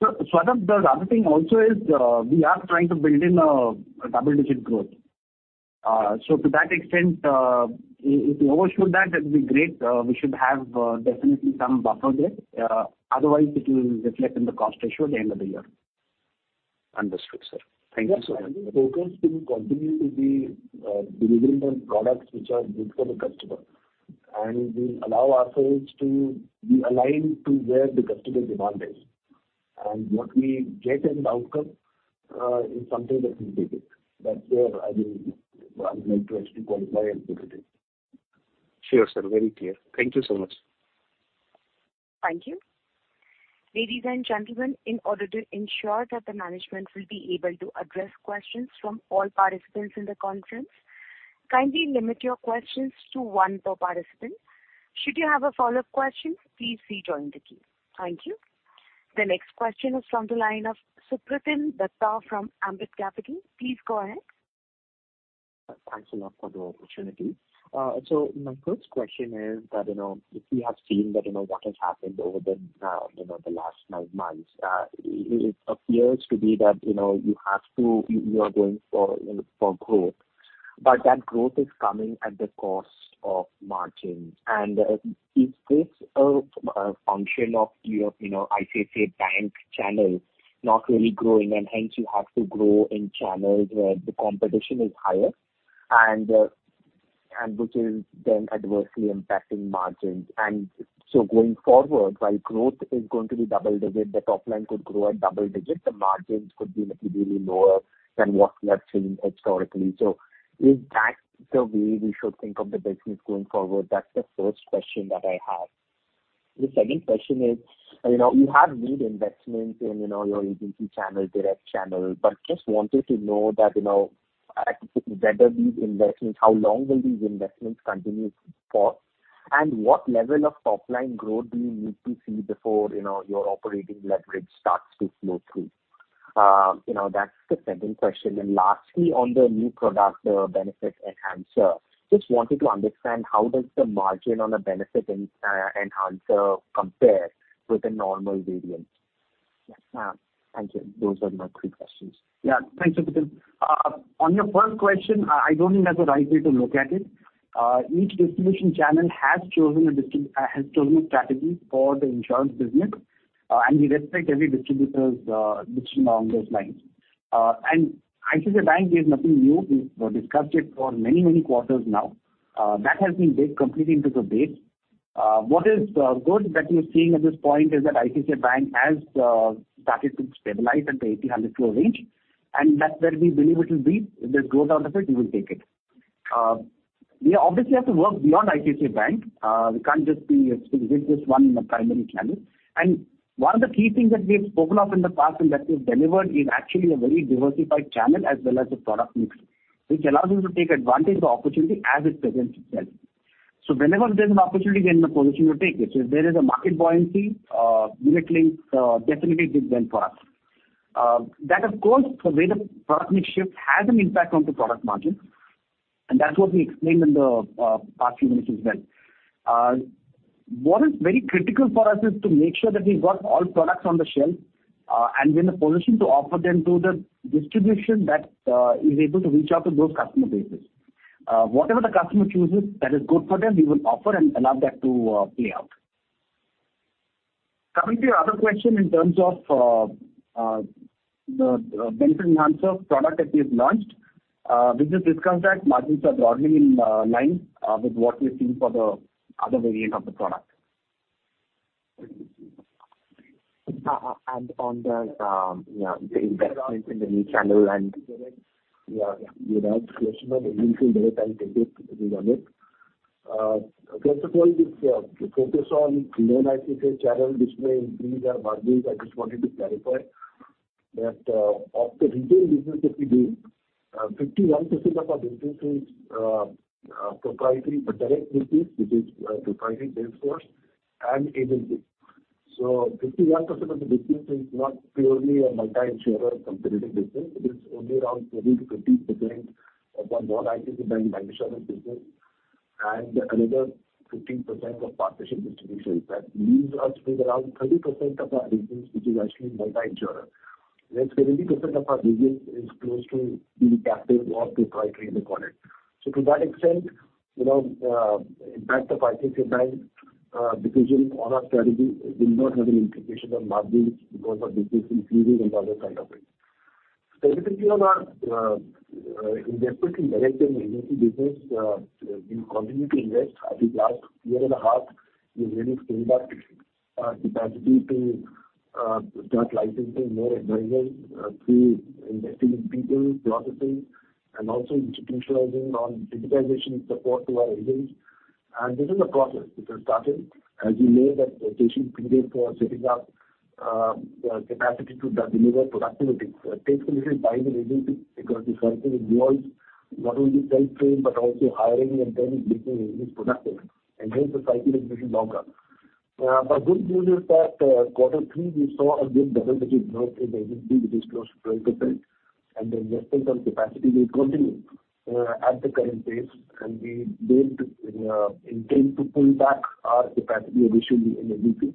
So, Swarnabha, the other thing also is, we are trying to build in a double-digit growth. So to that extent, if we overshoot that, that'd be great. We should have definitely some buffer there. Otherwise, it will reflect in the cost ratio at the end of the year. Understood, sir. Thank you so much. Yes, I think focus will continue to be delivering the products which are good for the customer, and we allow ourselves to be aligned to where the customer demand is. And what we get as an outcome is something that we take it. That's where I would like to actually qualify and put it in. Sure, sir. Very clear. Thank you so much. Thank you. Ladies and gentlemen, in order to ensure that the management will be able to address questions from all participants in the conference, kindly limit your questions to one per participant. Should you have a follow-up question, please rejoin the queue. Thank you. The next question is from the line of Supratim Datta from Ambit Capital. Please go ahead. Thanks a lot for the opportunity. So my first question is that, you know, if we have seen that, you know, what has happened over the, you know, the last nine months, it appears to be that, you know, you are going for, you know, for growth. But that growth is coming at the cost of margins. And is this a function of your, you know, ICICI Bank channel not really growing, and hence you have to grow in channels where the competition is higher, and which is then adversely impacting margins? And so going forward, while growth is going to be double digit, the top line could grow at double digits, the margins could be materially lower than what we have seen historically. So is that the way we should think of the business going forward? That's the first question that I have. The second question is, you know, you have made investments in, you know, your agency channel, direct channel, but just wanted to know that, you know, whether these investments, how long will these investments continue for? And what level of top-line growth do you need to see before, you know, your operating leverage starts to flow through? You know, that's the second question. And lastly, on the new product, the Benefit Enhancer, just wanted to understand how does the margin on the Benefit Enhancer compare with the normal variant? Yes. Thank you. Those are my three questions. Yeah. Thanks, Supritin. On your first question, I don't think that's the right way to look at it. Each distribution channel has chosen a strategy for the insurance business, and we respect every distributor's decision along those lines. And ICICI Bank is nothing new. We've discussed it for many, many quarters now. That has been baked completely into the base. What is good that we're seeing at this point is that ICICI Bank has started to stabilize at the 80 crore-100 crore range, and that where we believe it will be, if there's growth out of it, we will take it. We obviously have to work beyond ICICI Bank. We can't just be with this one primary channel. One of the key things that we have spoken of in the past and that we've delivered is actually a very diversified channel as well as a product mix, which allows us to take advantage of opportunity as it presents itself. So whenever there's an opportunity, we're in a position to take it. So if there is a market buoyancy, unit link definitely did well for us. That of course, the way the product mix shift has an impact on the product margin, and that's what we explained in the past few minutes as well. What is very critical for us is to make sure that we've got all products on the shelf, and we're in a position to offer them to the distribution that is able to reach out to those customer bases. Whatever the customer chooses, that is good for them, we will offer and allow that to play out. Coming to your other question in terms of the Benefit Enhancer product that we have launched, we just discussed that margins are broadly in line with what we've seen for the other variant of the product. On the investments in the new channel and- Yeah, you know, first of all, this focus on non-ICICI channel, which may increase our margins. I just wanted to clarify that, of the retail business that we do, 51% of our business is proprietary, but direct business, which is proprietary sales force and agency. So 51% of the business is not purely a multi-insurer competitive business. It is only around 20%-25% of our non-ICICI Bank insurance business and another 15% of partnership distribution. That leaves us with around 30% of our business, which is actually multi-insurer. Where 30% of our business is close to being captive or proprietary, you call it. So to that extent, you know, impact of ICICI Bank decision on our strategy will not have an implication on margins because our business is increasing on the other side of it. Secondly, on our investment in direct and agency business, we continue to invest. I think last year and a half, we really scaled back capacity to start licensing more advisors through investing in people, processes, and also institutionalizing on digitization support to our agents. And this is a process which has started. As you know, that the gestation period for setting up the capacity to deliver productivity takes a little bit by the agency, because the cycle involves not only sell trade, but also hiring and then making agents productive, and hence, the cycle is little longer. But good news is that quarter three, we saw a good double-digit growth in agency, which is close to 12%, and the investment on capacity will continue at the current pace, and we don't intend to pull back our capacity additionally in agency.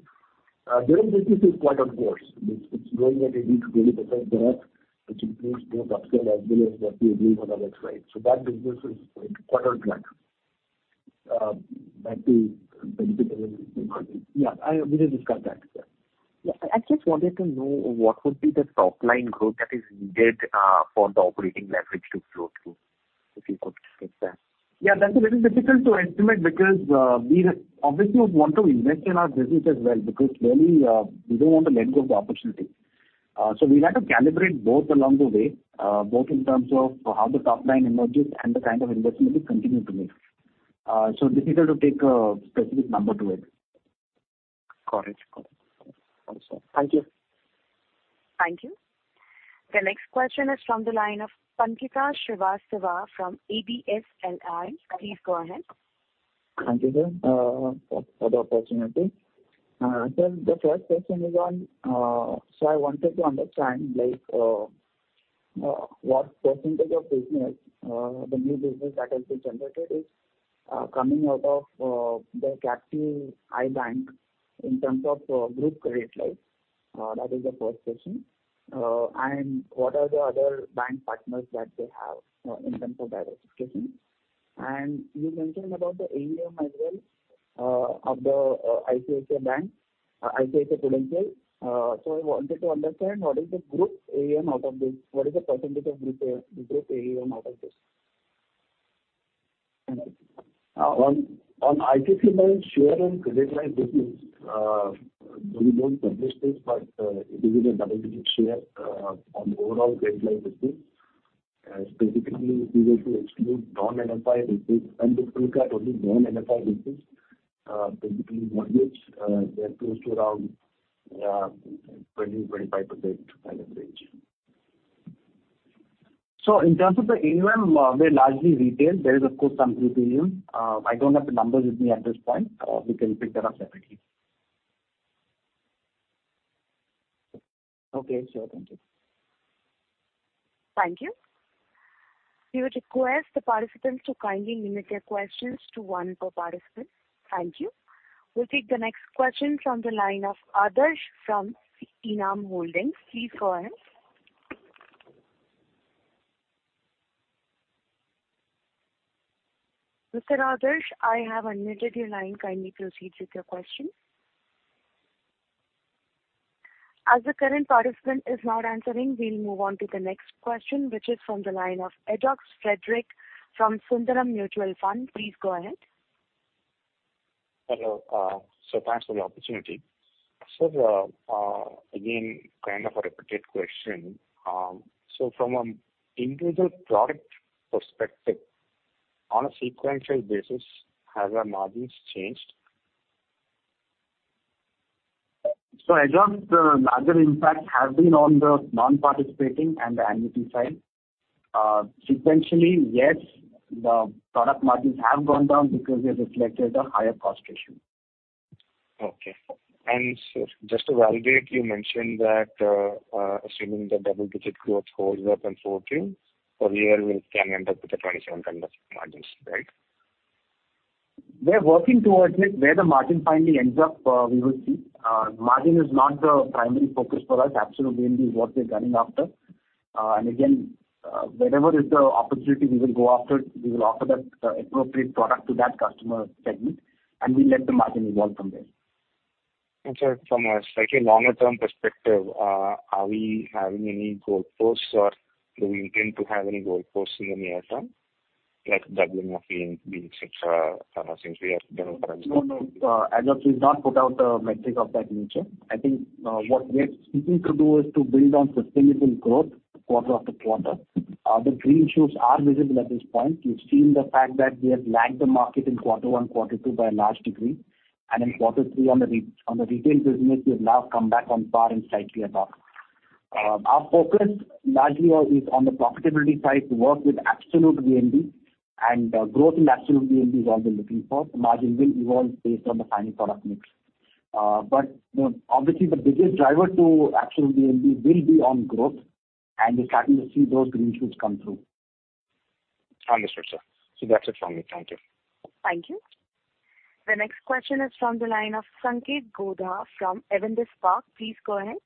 Direct business is quite on course. It's growing at a really percent growth, which includes both upsell as well as what we acquire on our website. So that business is quite on track. Back to benefit, yeah, we just discussed that. Yeah. I just wanted to know what would be the top line growth that is needed, for the operating leverage to flow through, if you could take that. Yeah, that's a little difficult to estimate because we obviously would want to invest in our business as well, because clearly we don't want to let go of the opportunity. So we have to calibrate both along the way, both in terms of how the top line emerges and the kind of investment we continue to make. So difficult to take a specific number to it. Got it. Got it. Thank you. Thank you. The next question is from the line of Pankaj Srivastava from ABHICL. Please go ahead. Thank you, sir, for the opportunity. So the first question is on, so I wanted to understand, like, what percentage of business, the new business that has been generated is, coming out of, the captive ICICI Bank in terms of, group credit life? That is the first question. And what are the other bank partners that they have, in terms of diversification? And you mentioned about the AUM as well, of the, ICICI Bank, ICICI Prudential. So I wanted to understand, what is the group AUM out of this? What is the percentage of the group AUM out of this? On ICICI Bank share and credit life business, we don't publish this, but it is a double-digit share on the overall credit life business. Specifically, if you were to exclude non-MFI business and look at only non-MFI business, basically mortgage, they are close to around 20%-25% kind of range. So in terms of the AUM, we're largely retail. There is, of course, some group AUM. I don't have the numbers with me at this point. We can pick that up separately. Okay, sure. Thank you. Thank you. We would request the participants to kindly limit their questions to one per participant. Thank you. We'll take the next question from the line of Adarsh from ENAM Holdings. Please go ahead. Mr. Adarsh, I have unmuted your line. Kindly proceed with your question. As the current participant is not answering, we'll move on to the next question, which is from the line of Ajox Frederick from Sundaram Mutual Fund. Please go ahead. Hello, so thanks for the opportunity. So the, again, kind of a repeated question. So from an individual product perspective, on a sequential basis, have our margins changed? Larger impact has been on the non-participating and the annuity side. Sequentially, yes, the product margins have gone down because we have reflected a higher cost ratio. Okay. So just to validate, you mentioned that, assuming the double-digit growth holds up in 14, per year, we can end up with the 27 kind of margins, right? We're working toward it. Where the margin finally ends up, we will see. Margin is not the primary focus for us, absolute VNB is what we're gunning after. And again, wherever is the opportunity, we will go after it. We will offer that appropriate product to that customer segment, and we let the margin evolve from there. From a slightly longer term perspective, are we having any goalposts or do we intend to have any goalposts in the near term, like doubling of VNB, being such a? No, no. Ajox has not put out a metric of that nature. I think what we're seeking to do is to build on sustainable growth quarter after quarter. The green shoots are visible at this point. We've seen the fact that we have lagged the market in quarter one, quarter two by a large degree. And in quarter three, on the retail business, we have now come back on par and slightly above. Our focus largely on is on the profitability side to work with absolute VNB, and growth in absolute VNB is all we're looking for. The margin will evolve based on the final product mix. But, you know, obviously, the biggest driver to absolute VNB will be on growth, and we're starting to see those green shoots come through. Understood, sir. So that's it from me. Thank you. Thank you. The next question is from the line of Sanketh Godha from Avendus Spark. Please go ahead.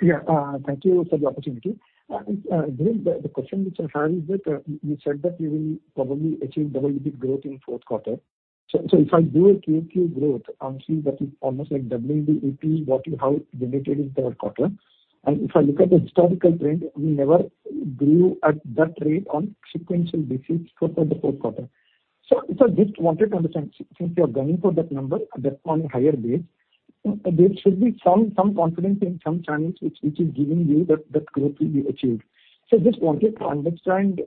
Yeah. Thank you for the opportunity. The question which I have is that you said that you will probably achieve double-digit growth in fourth quarter. So if I do a QQ growth, I'm seeing that is almost like double the AP, what you have delivered in third quarter. And if I look at the historical trend, we never grew at that rate on sequential basis for the fourth quarter. So I just wanted to understand, since you are gunning for that number at that point, higher base, there should be some confidence in some channels which is giving you that growth will be achieved. So just wanted to understand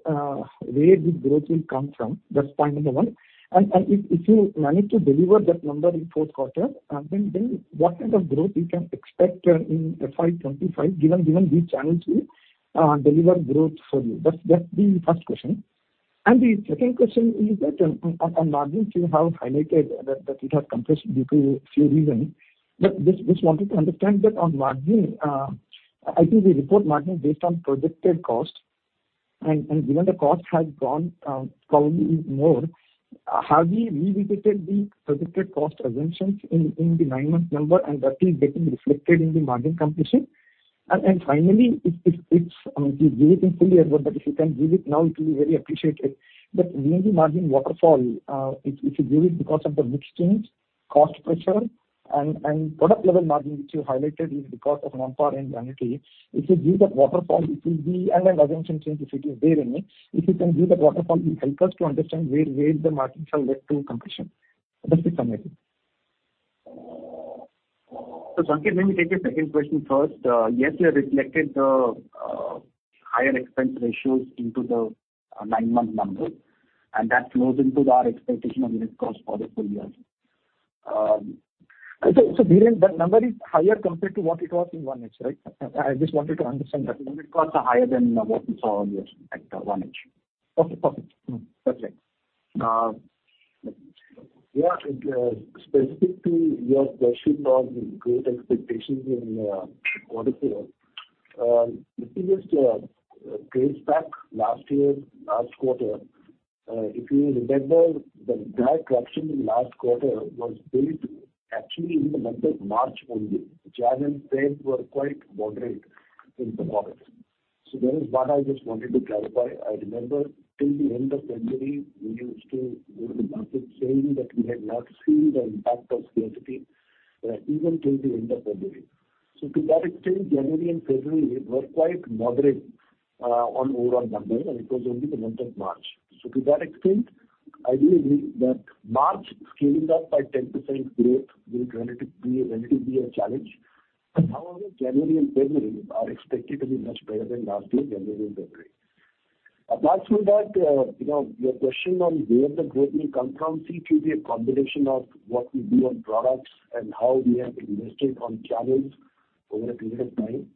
where this growth will come from. That's point number one. If you manage to deliver that number in fourth quarter, then what kind of growth we can expect in FY 2025, given these channels will deliver growth for you? That's the first question. The second question is that on margins, you have highlighted that it has compressed due to a few reasons. But just wanted to understand that on margin, I think we report margin based on projected costs. Given the cost has gone probably more, have we revisited the projected cost assumptions in the nine-month number, and that is getting reflected in the margin compression? Finally, if you give it in full year, but if you can give it now, it will be very appreciated. But given the margin waterfall, if you give it because of the mix change, cost pressure and product level margin, which you highlighted is because of non-PAR and annuity. If you give that waterfall, it will be... And an assumption change, if it is there any. If you can give that waterfall, it will help us to understand where the margins are led to compression. That's it from my end. So, Sanket, let me take your second question first. Yes, we have reflected the higher expense ratios into the nine-month numbers, and that flows into our expectation of net cost for the full year. So, Dhiren, that number is higher compared to what it was in 1H, right? I just wanted to understand that. Costs are higher than what we saw on this at 1H. Okay, perfect. That's it. Yeah, specifically, your question on growth expectations in quarter four. If you just trace back last year, last quarter, if you remember, the drag actually in last quarter was built actually in the month of March only. January and February were quite moderate in the quarter. So that is what I just wanted to clarify. I remember till the end of February, we used to go to the market saying that we had not seen the impact of scarcity even till the end of February. So to that extent, January and February were quite moderate on overall numbers, and it was only the month of March. So to that extent, I do agree that March scaling up by 10% growth will going to be, going to be a challenge. But however, January and February are expected to be much better than last year, January and February. Apart from that, you know, your question on where the growth will come from, seem to be a combination of what we do on products and how we have invested on channels over a period of time.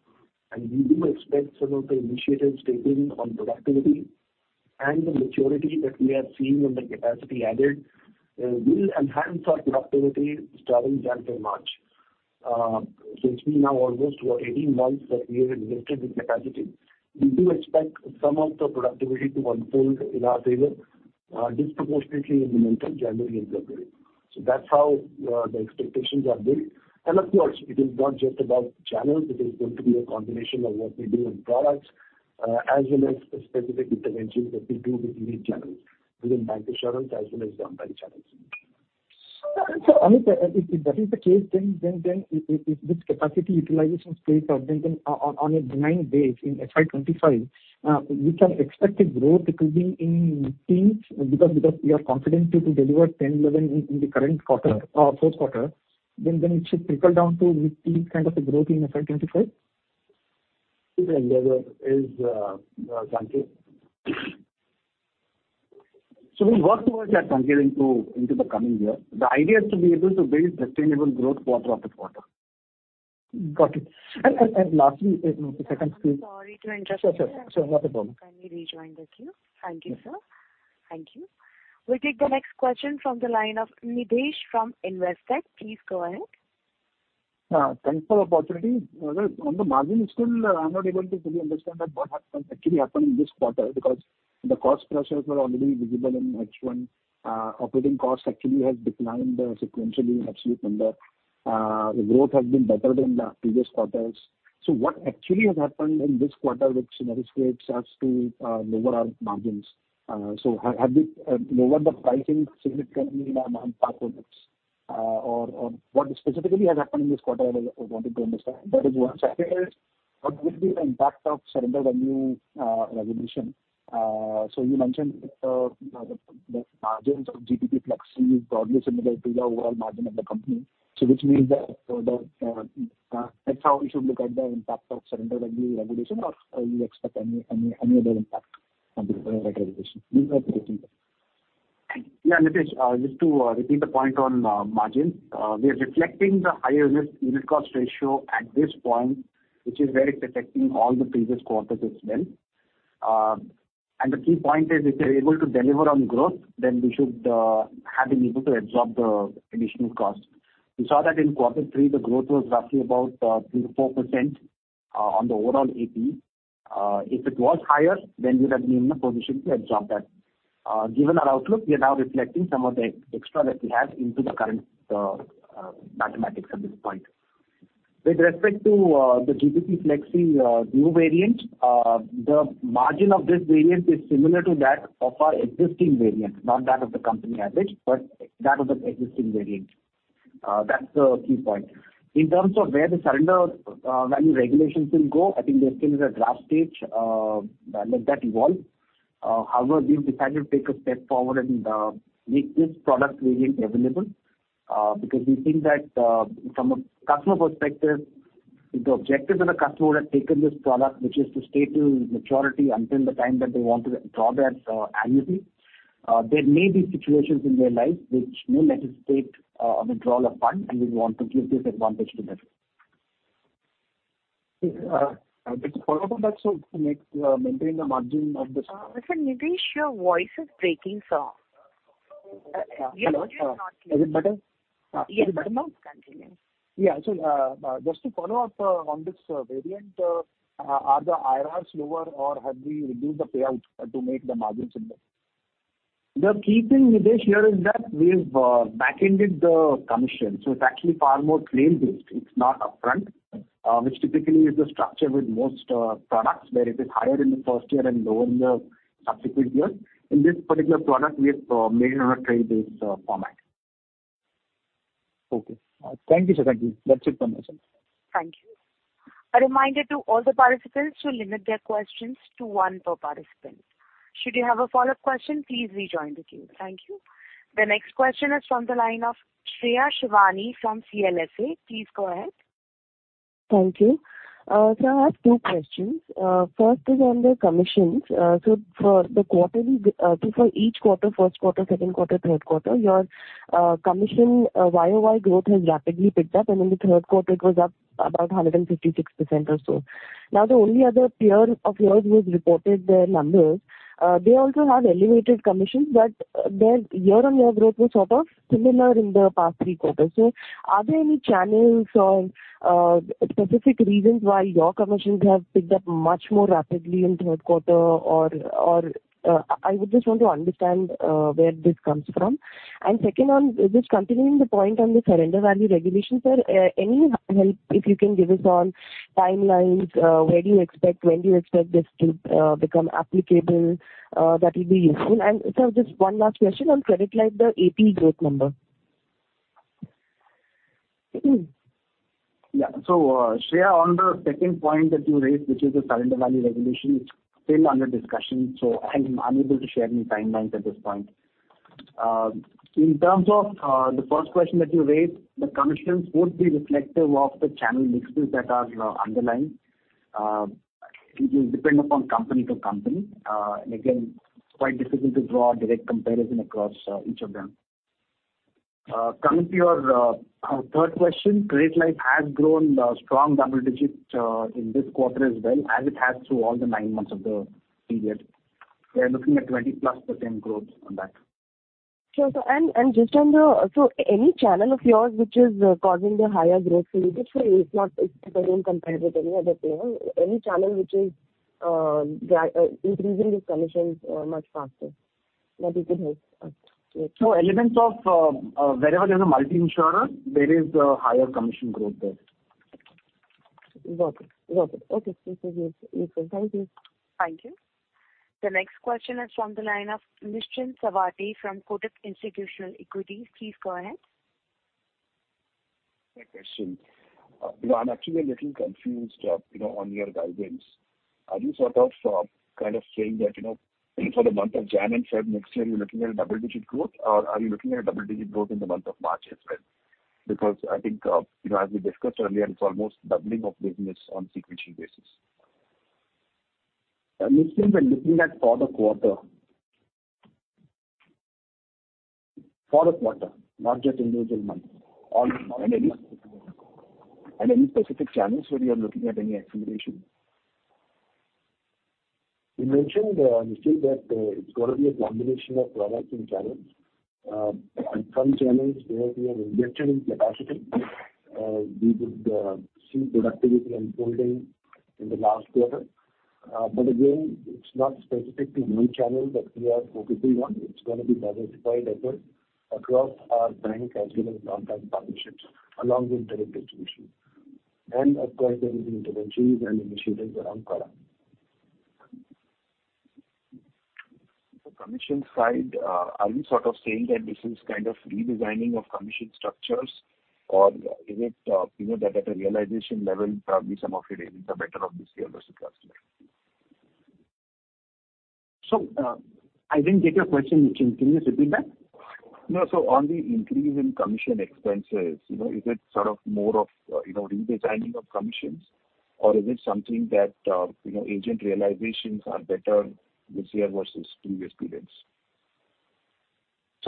And we do expect some of the initiatives taken on productivity and the maturity that we have seen on the capacity added, will enhance our productivity starting January, March. Since we now almost for 18 months that we have invested in capacity, we do expect some of the productivity to unfold in our favor, disproportionately in the month of January and February. So that's how, the expectations are built. Of course, it is not just about channels, it is going to be a combination of what we do on products, as well as specific interventions that we do with unique channels, within bank insurance as well as non-bank channels. So if that is the case, then if this capacity utilization stays on a benign base in FY 2025, we can expect a growth it will be in teens, because you are confident to deliver 10, 11 in the current quarter or fourth quarter... then it should trickle down to we see kind of a growth in FY 2025? Yeah, there is, Sanketh. So we work towards that, Sanjay, into the coming year. The idea is to be able to build sustainable growth quarter after quarter. Got it. And lastly, if I can- I'm sorry to interrupt you. Sure, sure. Sure, not a problem. Kindly rejoin the queue. Thank you, sir. Thank you. We'll take the next question from the line of Nitish from Investec. Please go ahead. Thanks for the opportunity. Well, on the margin still, I'm not able to fully understand that what has actually happened in this quarter, because the cost pressures were already visible in H1. Operating costs actually has declined, sequentially in absolute number. The growth has been better than the previous quarters. So what actually has happened in this quarter, which motivates us to lower our margins? So have we lowered the pricing significantly in our non-par products? Or what specifically has happened in this quarter, I wanted to understand. That is one. Second is, what will be the impact of surrender value regulation? So you mentioned, the margins of GPP Flexi is broadly similar to the overall margin of the company. So which means that that's how we should look at the impact of surrender value regulation, or you expect any other impact from the surrender value regulation? These are the two things. Yeah, Nitish, just to repeat the point on margin. We are reflecting the higher unit cost ratio at this point, which is where it's affecting all the previous quarters as well. And the key point is, if we're able to deliver on growth, then we should have been able to absorb the additional cost. We saw that in quarter three, the growth was roughly about 3%-4% on the overall AP. If it was higher, then we would be in a position to absorb that. Given our outlook, we are now reflecting some of the extra that we have into the current mathematics at this point. With respect to the GPP Flexi new variant, the margin of this variant is similar to that of our existing variant, not that of the company average, but that of the existing variant. That's the key point. In terms of where the surrender value regulations will go, I think they're still in the draft stage, let that evolve. However, we've decided to take a step forward and make this product variant available because we think that from a customer perspective, the objective of the customer who has taken this product, which is to stay till maturity until the time that they want to draw their annuity. There may be situations in their life which may necessitate a withdrawal of funds, and we want to give this advantage to them. Just to follow up on that, so to make maintain the margin of this- Sir Nitish, your voice is breaking, sir. Uh, hello? You're just not clear. Is it better? Yes. Is it better now? Continue. Yeah. So, just to follow up on this variant, are the IRRs lower or have we reduced the payout to make the margin similar? The key thing, Nitish, here is that we've backended the commission, so it's actually far more claim-based. It's not upfront, which typically is the structure with most products, where it is higher in the first year and lower in the subsequent years. In this particular product, we have made it on a claim-based format. Okay. Thank you, sir. Thank you. That's it from my side. Thank you. A reminder to all the participants to limit their questions to one per participant. Should you have a follow-up question, please rejoin the queue. Thank you. The next question is from the line of Shreya Shivani from CLSA. Please go ahead. Thank you. Sir, I have two questions. First is on the commissions. So for the quarter, so for each quarter, first quarter, second quarter, third quarter, your commission YoY growth has rapidly picked up, and in the third quarter, it was up about 156% or so. Now, the only other peer of yours who has reported their numbers, they also have elevated commissions, but their year-on-year growth was sort of similar in the past three quarters. So are there any channels or specific reasons why your commissions have picked up much more rapidly in third quarter? Or I would just want to understand where this comes from. Second, just continuing the point on the surrender value regulation, sir, any help if you can give us on timelines, where do you expect, when do you expect this to become applicable? That will be useful. Sir, just one last question on Credit Life, the AP growth number. Yeah. So, Shreya, on the second point that you raised, which is the surrender value regulation, it's still under discussion, so I'm unable to share any timelines at this point. In terms of the first question that you raised, the commissions would be reflective of the channel mixes that are underlying. It will depend upon company to company. Again, quite difficult to draw a direct comparison across each of them. Coming to your third question, Credit Life has grown strong double digits in this quarter as well as it has through all the nine months of the period. We are looking at 20%+ growth on that. Sure, sir. And just on the... So any channel of yours which is causing the higher growth for you? It's not, it's again, compared with any other peer. Any channel which is increasing its commissions much faster, that you could help us with? So elements of wherever there's a multi-insurer, there is a higher commission growth there. Got it. Got it. Okay, this is useful. Thank you. Thank you. The next question is from the line of Nischint Chawathe from Kotak Institutional Equities. Please go ahead. My question-... You know, I'm actually a little confused, you know, on your guidance. Are you sort of, kind of saying that, you know, say for the month of January and February next year, you're looking at a double-digit growth, or are you looking at a double-digit growth in the month of March as well? Because I think, you know, as we discussed earlier, it's almost doubling of business on sequential basis. I'm looking when looking at for the quarter. For the quarter, not just individual month or and any specific channels where you are looking at any acceleration? We mentioned, still that, it's got to be a combination of products and channels. And some channels where we have invested in capacity, we would see productivity unfolding in the last quarter. But again, it's not specific to any channel that we are focusing on. It's gonna be diversified effort across our bank as well as non-bank partnerships, along with direct distribution. And of course, there is interventions and initiatives around product. The commission side, are you sort of saying that this is kind of redesigning of commission structures, or is it, you know, that at a realization level, probably some of it is the better of this year versus last year? So, I didn't get your question. Can you repeat that? No. So on the increase in commission expenses, you know, is it sort of more of, you know, redesigning of commissions, or is it something that, you know, agent realizations are better this year versus previous periods?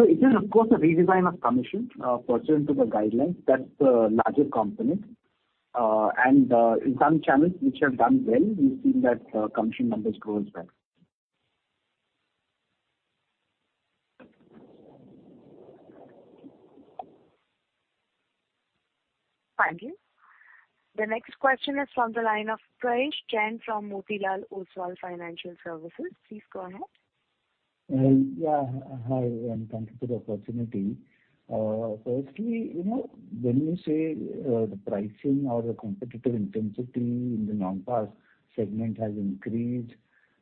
It is, of course, a redesign of commission pursuant to the guidelines that the larger company and in some channels which have done well, we've seen that commission numbers grow as well. Thank you. The next question is from the line of Prayesh Jain from Motilal Oswal Financial Services. Please go ahead. Yeah. Hi, and thank you for the opportunity. Firstly, you know, when you say the pricing or the competitive intensity in the non-PAR segment has increased,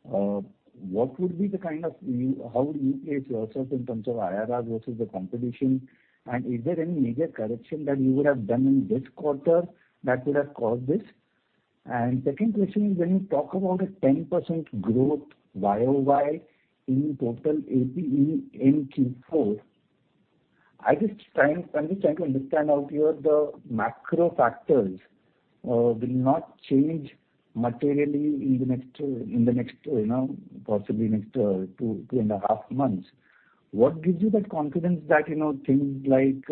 what would be the kind of—how would you place yourself in terms of IRR versus the competition? And is there any major correction that you would have done in this quarter that would have caused this? And second question is, when you talk about a 10% growth YoY in total APE in Q4, I'm just trying to understand how here the macro factors will not change materially in the next two, in the next, you know, possibly next two, two and a half months. What gives you that confidence that, you know, things like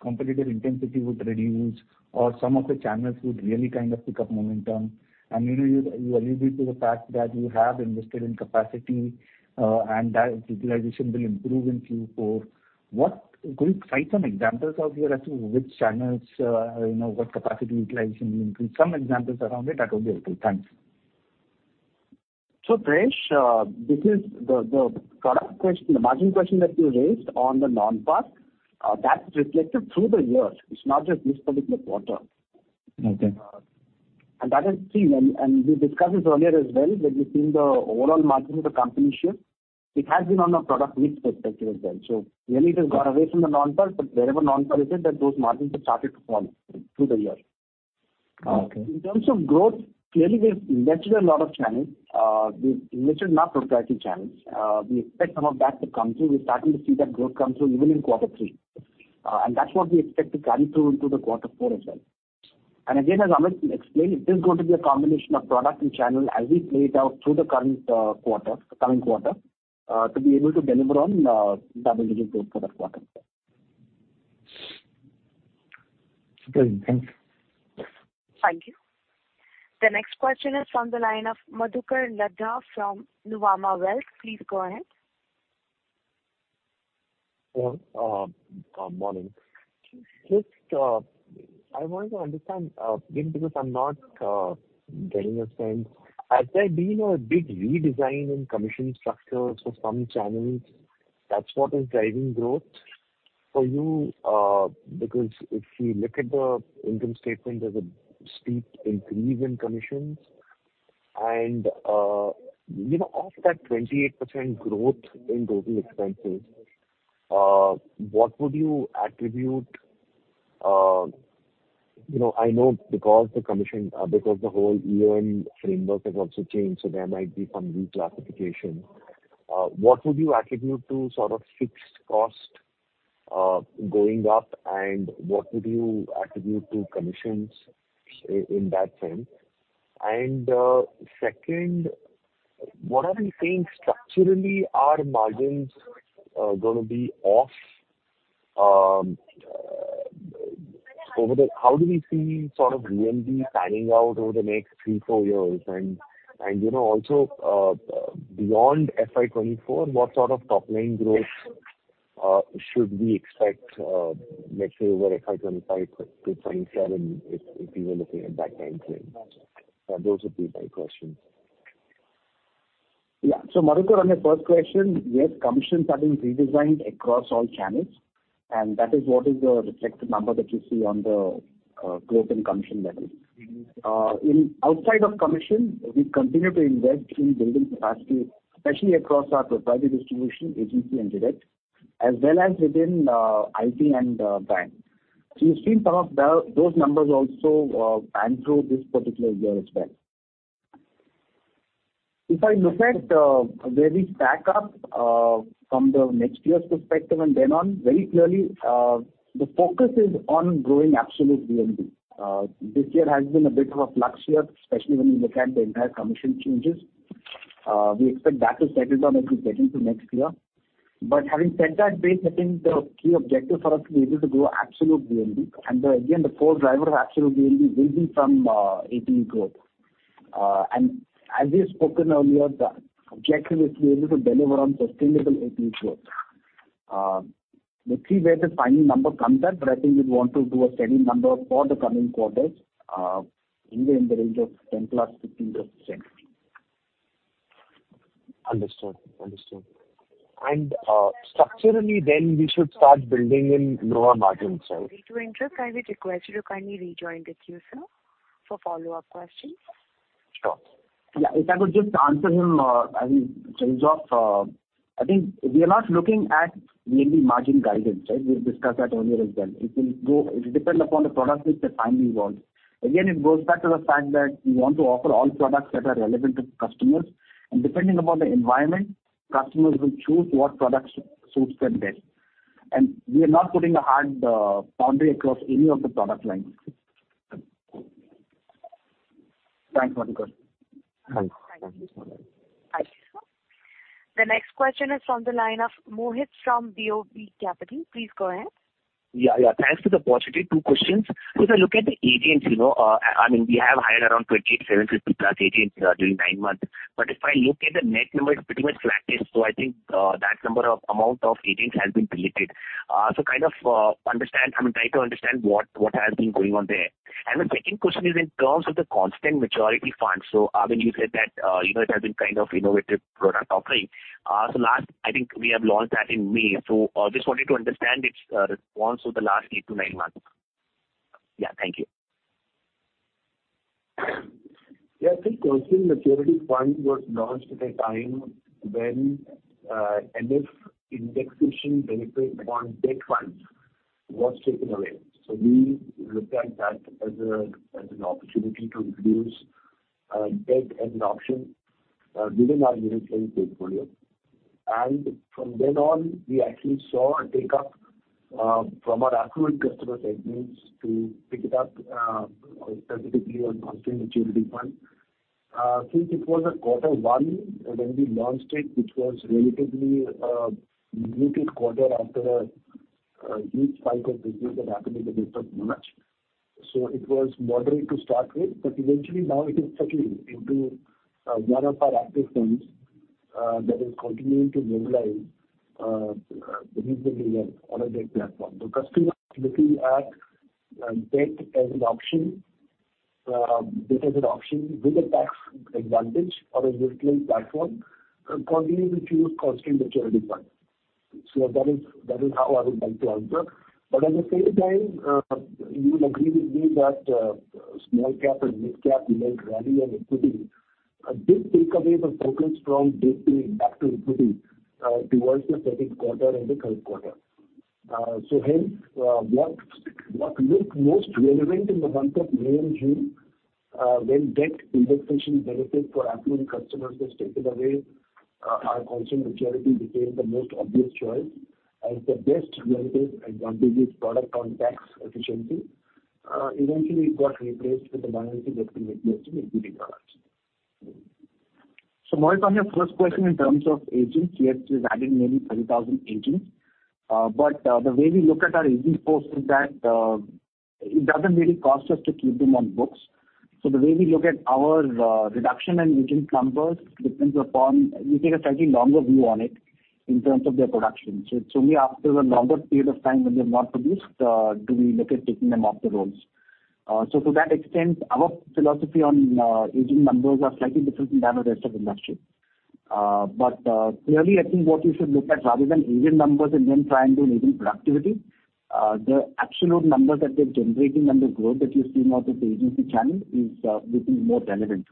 competitive intensity would reduce, or some of the channels would really kind of pick up momentum? You know, you alluded to the fact that you have invested in capacity, and that utilization will improve in Q4. What could you cite some examples out here as to which channels, you know, what capacity utilization will increase? Some examples around it, that would be helpful. Thanks. So, Prayesh, this is the product question, the margin question that you raised on the non-PAR, that's reflected through the years. It's not just this particular quarter. Okay. And that is seen, and we discussed this earlier as well, when you've seen the overall margin of the company shift, it has been on a product mix perspective as well. So really it has gone away from the non-PAR, but wherever non-PAR is, those margins have started to fall through the years. Okay. In terms of growth, clearly we've invested a lot of channels. We've invested non-proprietary channels. We expect some of that to come through. We're starting to see that growth come through even in quarter three. And that's what we expect to carry through into the quarter four as well. And again, as Amit explained, it is going to be a combination of product and channel as we play it out through the current quarter, the coming quarter, to be able to deliver on double-digit growth for the quarter. Great. Thanks. Thank you. The next question is from the line of Madhukar Ladha from Nuvama Wealth. Please go ahead. Hello, good morning. Just, I want to understand, maybe because I'm not getting a sense. Has there been a big redesign in commission structures for some channels, that's what is driving growth for you? Because if you look at the income statement, there's a steep increase in commissions. And, you know, of that 28% growth in total expenses, what would you attribute? You know, I know because the commission, because the whole EON framework has also changed, so there might be some reclassification. What would you attribute to sort of fixed cost going up, and what would you attribute to commissions in that sense? And, second, what are we seeing structurally, are margins gonna be off, over the... How do we see sort of UMB panning out over the next three, four years? You know, also, beyond FY 2024, what sort of top-line growth should we expect, let's say over FY 2025 to 2027, if you were looking at that time frame? Those would be my questions. Yeah. So, Madhukar, on your first question, yes, commissions are being redesigned across all channels, and that is what is the reflected number that you see on the, growth and commission levels. In outside of commission, we continue to invest in building capacity, especially across our proprietary distribution, agency and direct, as well as within, IT and, bank. So you've seen some of the, those numbers also, pan through this particular year as well. If I look at, where we stack up, from the next year's perspective and then on, very clearly, the focus is on growing absolute VNB. This year has been a bit of a flux year, especially when you look at the entire commission changes. We expect that to settle down a little bit into next year. But having said that, I think the key objective for us to be able to grow absolute VNB, and again, the core driver of absolute VNB will be from APE growth. And as we've spoken earlier, the objective is to be able to deliver on sustainable APE growth. We'll see where the final number comes at, but I think we want to do a steady number for the coming quarters, in the range of 10%+, 15%+. Understood. Understood. And, structurally then we should start building in lower margin side. To interrupt, I will request you to kindly rejoin the queue, sir, for follow-up questions. Sure. Yeah, if I could just answer him, I mean, in terms of, I think we are not looking at maybe margin guidance, right? We've discussed that earlier as well. It will go. It will depend upon the product mix that finally evolves. Again, it goes back to the fact that we want to offer all products that are relevant to customers, and depending upon the environment, customers will choose what products suits them best. And we are not putting a hard, boundary across any of the product lines. Thanks a lot, sir. Thank you. The next question is from the line of Mohit from BOB Capital. Please go ahead. Yeah, yeah. Thanks for the opportunity. Two questions. If I look at the agents, you know, I mean, we have hired around 27,550+ agents during nine months. But if I look at the net number, it's pretty much flattish. So I think that number of amount of agents has been deleted. So kind of understand, I mean, try to understand what, what has been going on there. And the second question is in terms of the Constant Maturity Fund. So when you said that, you know, it has been kind of innovative product offering. So last, I think we have launched that in May. So just wanted to understand its response over the last eight to nine months. Yeah, thank you. Yeah, I think Constant Maturity Fund was launched at a time when MF indexation benefit on debt funds was taken away. So we looked at that as a as an opportunity to introduce debt as an option within our mutual fund portfolio. And from then on, we actually saw a take up from our active customer segments to pick it up specifically on Constant Maturity Fund. Since it was a quarter one, when we launched it, which was relatively muted quarter after a huge spike of business that happened in the month of March. So it was moderate to start with, but eventually now it is settling into one of our active funds that is continuing to mobilize the need to be on a debt platform. The customer is looking at, debt as an option, debt as an option with a tax advantage on a digital platform, and continuing to use Constant Maturity Fund. So that is, that is how I would like to answer. But at the same time, you will agree with me that, small cap and mid cap, rally and equity, did take away the focus from debt to back to equity, towards the second quarter and the current quarter. So hence, what, what looked most relevant in the month of May and June, when debt indexation benefit for accurate customers was taken away, our Constant Maturity became the most obvious choice as the best relative advantage product on tax efficiency. Eventually it got replaced with the dynamic equity investment equity products. So Mohit, on your first question in terms of agents, yes, we've added maybe 30,000 agents. But, the way we look at our agent force is that, it doesn't really cost us to keep them on books. So the way we look at our, reduction in agent numbers depends upon... We take a slightly longer view on it in terms of their production. So it's only after a longer period of time when they've not produced, do we look at taking them off the rolls. So to that extent, our philosophy on, agent numbers are slightly different than the rest of the industry. But, clearly, I think what you should look at, rather than agent numbers and then try and do an agent productivity, the absolute numbers that they're generating and the growth that you're seeing out of the agency channel is, looking more relevant.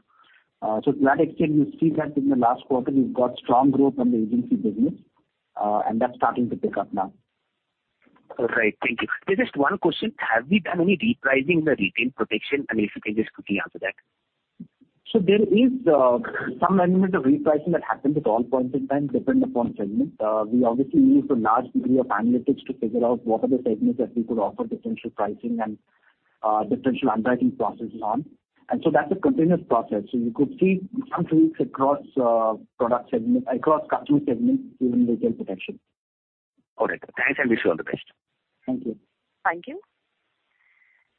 So to that extent, you see that in the last quarter, we've got strong growth on the agency business, and that's starting to pick up now. All right. Thank you. Just one question: Have we done any repricing in the Retail Protection? And if you can just quickly answer that. So there is some element of repricing that happens at all points in time, depending upon segment. We obviously use a large degree of analytics to figure out what are the segments that we could offer differential pricing and differential underwriting processes on. And so that's a continuous process. So you could see some things across customer segments in retail protection. All right. Thanks, and wish you all the best. Thank you. Thank you.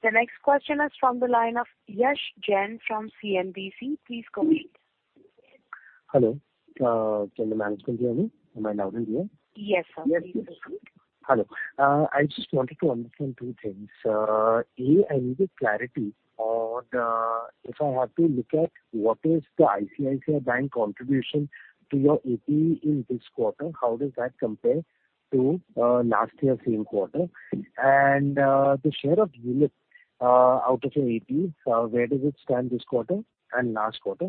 The next question is from the line of Yash Jain from CNBC. Please go ahead. Hello, can the management hear me? Am I loud and clear? Yes, sir. Please go ahead. Hello. I just wanted to understand two things. A, I need a clarity on if I have to look at what is the ICICI Bank contribution to your APE in this quarter, how does that compare to last year, same quarter? And the share of ULIP out of your APE, where does it stand this quarter and last quarter?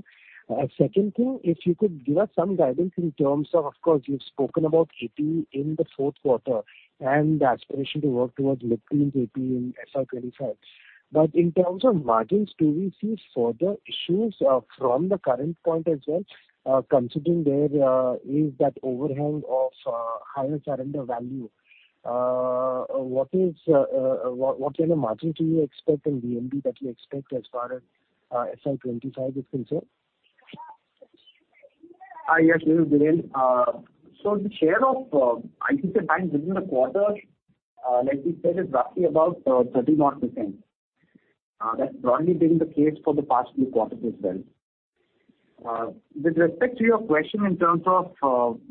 Second thing, if you could give us some guidance in terms of, of course, you've spoken about APE in the fourth quarter and the aspiration to work towards mid-teens APE in FY 2025. But in terms of margins, do we see further issues from the current point as well, considering there is that overhang of higher surrender value? What kind of margin do you expect and VNB that you expect as far as FY 2025 is concerned? Hi, yes, this is Dhiren. So the share of ICICI Bank within the quarter, like we said, is roughly about 30-odd percent. That's broadly been the case for the past few quarters as well. With respect to your question in terms of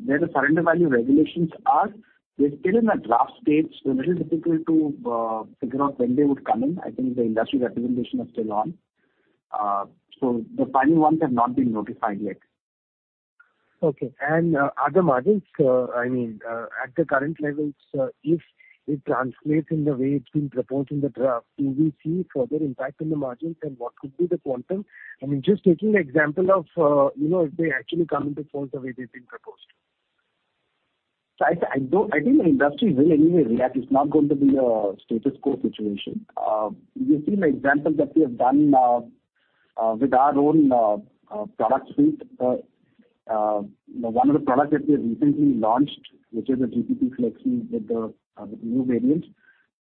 where the surrender value regulations are, they're still in the draft stage, so a little difficult to figure out when they would come in. I think the industry representation is still on. So the final ones have not been notified yet. Okay. Are the margins, I mean, at the current levels, if it translates in the way it's been proposed in the draft, do we see further impact in the margins, and what could be the quantum? I mean, just taking the example of, you know, if they actually come into force the way they've been proposed. So I don't think the industry will anyway react. It's not going to be a status quo situation. You've seen the example that we have done with our own product suite. One of the products that we recently launched, which is a GPP Flexi with the new variant.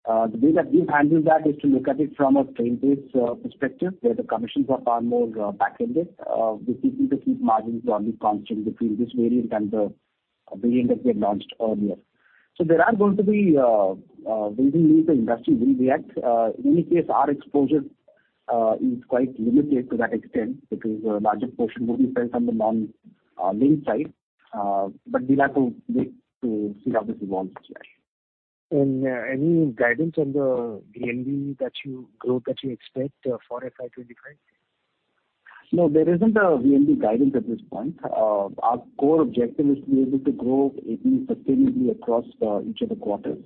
The way that we've handled that is to look at it from a claim-based perspective, where the commissions are far more back-ended. We're seeking to keep margins broadly constant between this variant and the variant that we had launched earlier. So there are going to be... we believe the industry will react. In any case, our exposure is quite limited to that extent because a larger portion will be based on the non-linked side. But we'll have to wait to see how this evolves here. Any guidance on the VNB growth that you expect for FY 2025? No, there isn't a VNB guidance at this point. Our core objective is to be able to grow AT sustainably across each of the quarters.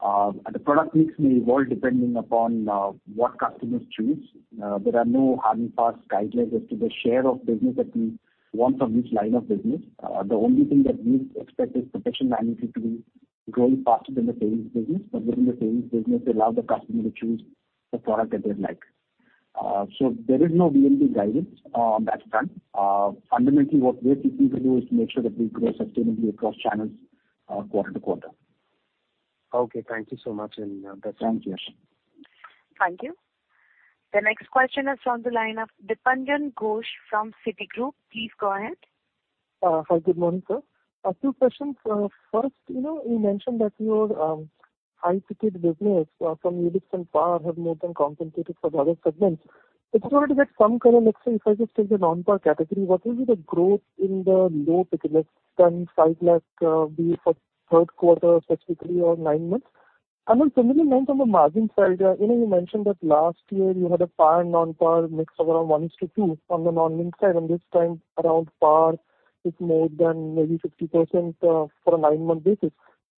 The product mix may evolve depending upon what customers choose. There are no hard and fast guidelines as to the share of business that we want from each line of business. The only thing that we expect is protection liability to be growing faster than the sales business, but within the sales business, allow the customer to choose the product that they'd like. So there is no VNB guidance at this time. Fundamentally, what we are seeking to do is to make sure that we grow sustainably across channels quarter to quarter. Okay, thank you so much, and best wishes. Thank you. Thank you. The next question is on the line of Dipanjan Ghosh from Citigroup. Please go ahead. Hi, good morning, sir. A few questions. First, you know, you mentioned that your high-ticket business from units and PAR have more than compensated for the other segments. Just wanted to get some kind of mixture. If I just take the non-PAR category, what will be the growth in the low-ticket, less than 5 lakh, be it for third quarter specifically or nine months? And then secondly, now on the margin side, you know, you mentioned that last year you had a PAR and non-PAR mix of around one is to two on the non-link side, and this time around PAR is more than maybe 50%, for a nine-month basis.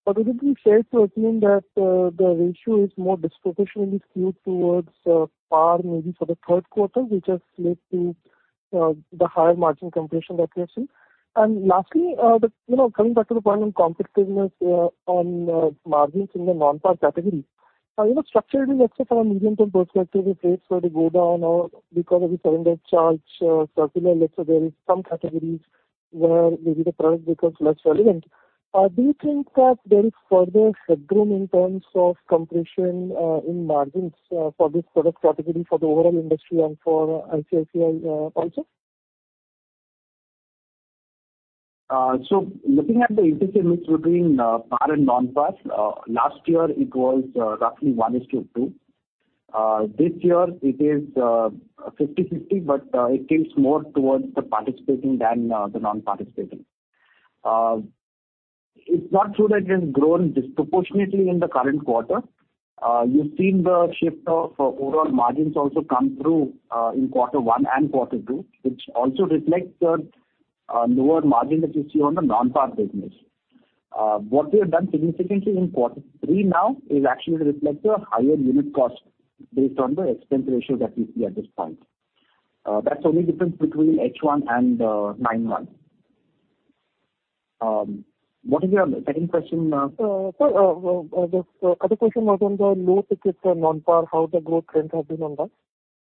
But would it be fair to assume that the ratio is more disproportionately skewed towards PAR maybe for the third quarter, which has led to the higher margin compression that we have seen? And lastly, you know, coming back to the point on competitiveness, on margins in the non-PAR category, you know, structurally, let's say from a medium-term perspective, if rates were to go down or because of the surrender charge circular, let's say there is some categories where maybe the product becomes less relevant. Do you think that there is further headroom in terms of compression in margins for this product category, for the overall industry and for ICICI also? So looking at the intermix between PAR and non-PAR, last year it was roughly one to two. This year it is 50/50, but it tilts more towards the participating than the non-participating. It's not true that it has grown disproportionately in the current quarter. You've seen the shift of overall margins also come through in quarter one and quarter two, which also reflects the lower margin that you see on the non-PAR business. What we have done significantly in quarter three now is actually reflect a higher unit cost based on the expense ratio that we see at this point. That's the only difference between H1 and nine months. What is your second question? Sir, the other question was on the low tickets for non-PAR, how the growth trends have been on that?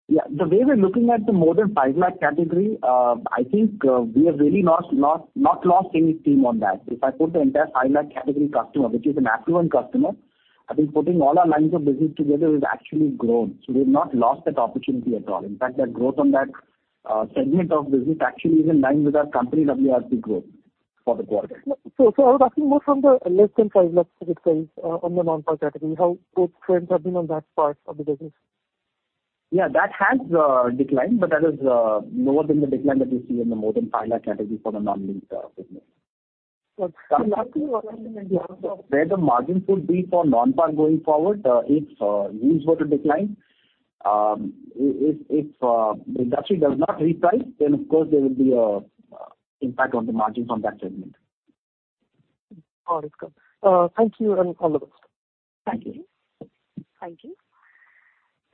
Yeah. The way we're looking at the more than 5 lakh category, I think, we have really not lost any steam on that. If I put the entire 5 lakh category customer, which is an affluent customer, I think putting all our lines of business together, we've actually grown. So we've not lost that opportunity at all. In fact, the growth on that segment of business actually is in line with our company WRP growth for the quarter. So I was asking more from the less than 5 lakh ticket sales, on the non-PAR category, how growth trends have been on that part of the business? Yeah, that has declined, but that is lower than the decline that you see in the more than 5 lakh category for the non-link business. So - Where the margins would be for Non-PAR going forward, if yields were to decline, if the industry does not reprice, then of course there will be a impact on the margins on that segment. All is good. Thank you, and all the best. Thank you. Thank you.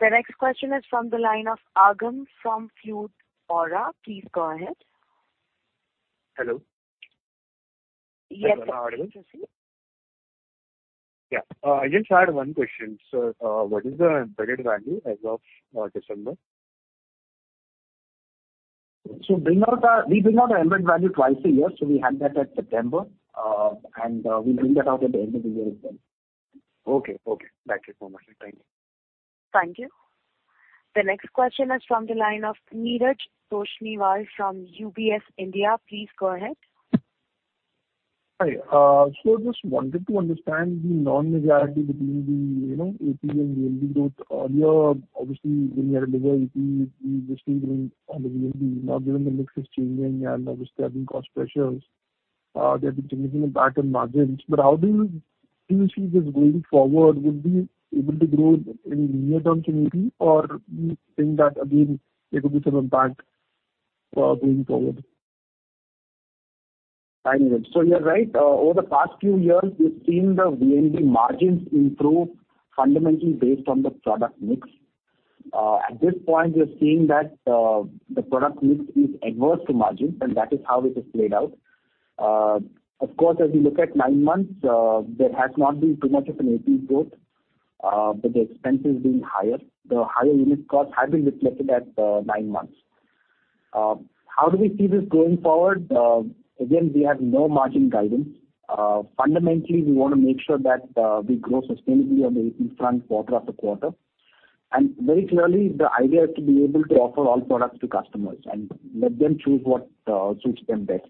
The next question is from the line of Aagam from Flute Aura. Please go ahead. Hello? Yes. Yeah. I just had one question: so, what is the embedded value as of December? So we bring out the embedded value twice a year, so we had that at September, and we bring that out at the end of the year as well. Okay, okay. Thank you so much. Thank you. Thank you. The next question is from the line of Neeraj Toshniwal from UBS India. Please go ahead. Hi. So I just wanted to understand the non-linearity between the, you know, AP and VNB growth. Earlier, obviously, when you had lower AP, you just stayed on the VNB. Now, given the mix is changing and obviously there have been cost pressures, there have been diminishing impact on margins. But how do you see this going forward? Would we able to grow in near-term to maybe, or do you think that again, there could be some impact, going forward? Hi, Neeraj. So you're right. Over the past few years, we've seen the VNB margins improve fundamentally based on the product mix. At this point, we are seeing that the product mix is adverse to margins, and that is how it has played out. Of course, as we look at nine months, there has not been too much of an AP growth, but the expenses being higher. The higher unit costs have been reflected at nine months. How do we see this going forward? Again, we have no margin guidance. Fundamentally, we want to make sure that we grow sustainably on the AP front quarter after quarter. And very clearly, the idea is to be able to offer all products to customers and let them choose what suits them best.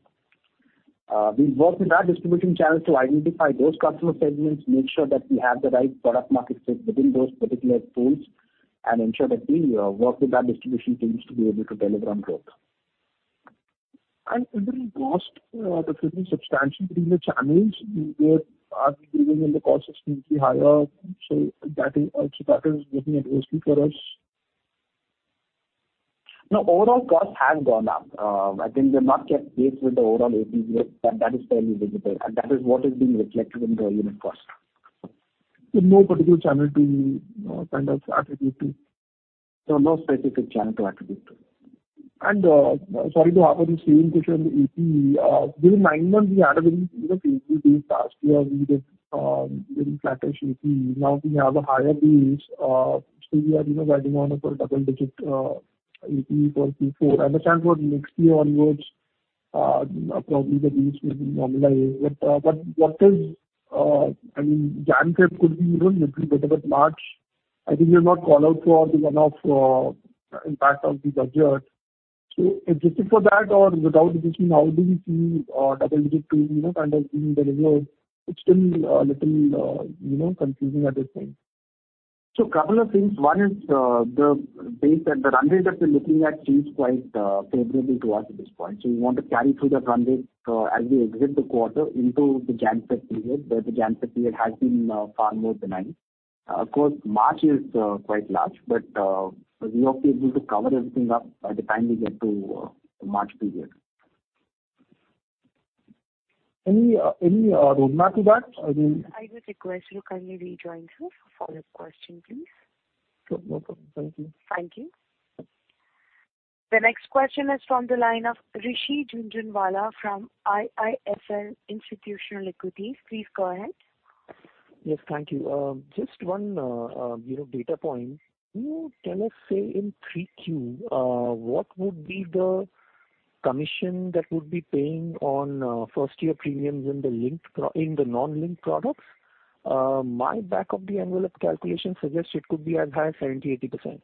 We work with our distribution channels to identify those customer segments, make sure that we have the right product market fit within those particular pools, and ensure that we work with our distribution teams to be able to deliver on growth. Is the cost that has been substantial between the channels, where are the costs significantly higher, so that is, so that is looking adversely for us? No, overall costs have gone up. I think they're not yet paced with the overall APE growth. That is fairly visible, and that is what is being reflected in the unit cost. No particular channel to, kind of attribute to? No, no specific channel to attribute to. Sorry to ask the same question, AP. During nine months, we had a very, you know, AP being passed. We have very flattish AP. Now we have a higher base. So we are, you know, riding on a double digit AP for Q4. I understand for next year onwards, probably the base may be normalized. But, but what is, I mean, January to February could be even little better, but March, I think you have not called out for the one of impact of the budget. So adjusted for that, or without adjusting, how do you feel, double digit to, you know, kind of being delivered? It's still little, you know, confusing at this point. So couple of things. One is, the base that the run rate that we're looking at seems quite favorable to us at this point. So we want to carry through that run rate as we exit the quarter into the January to February period, where the January to February period has been far more benign. Of course, March is quite large, but we hope to able to cover everything up by the time we get to the March period. Any, any, roadmap to that? I mean- I would request you kindly rejoin us for your question, please. Sure. No problem. Thank you. Thank you. The next question is from the line of Rishi Jhunjhunwala from IIFL Institutional Equity. Please go ahead. Yes, thank you. Just one, you know, data point. Can you tell us, say, in 3Q, what would be the commission that would be paying on first-year premiums in the linked products in the non-linked products? My back of the envelope calculation suggests it could be as high as 70%-80%.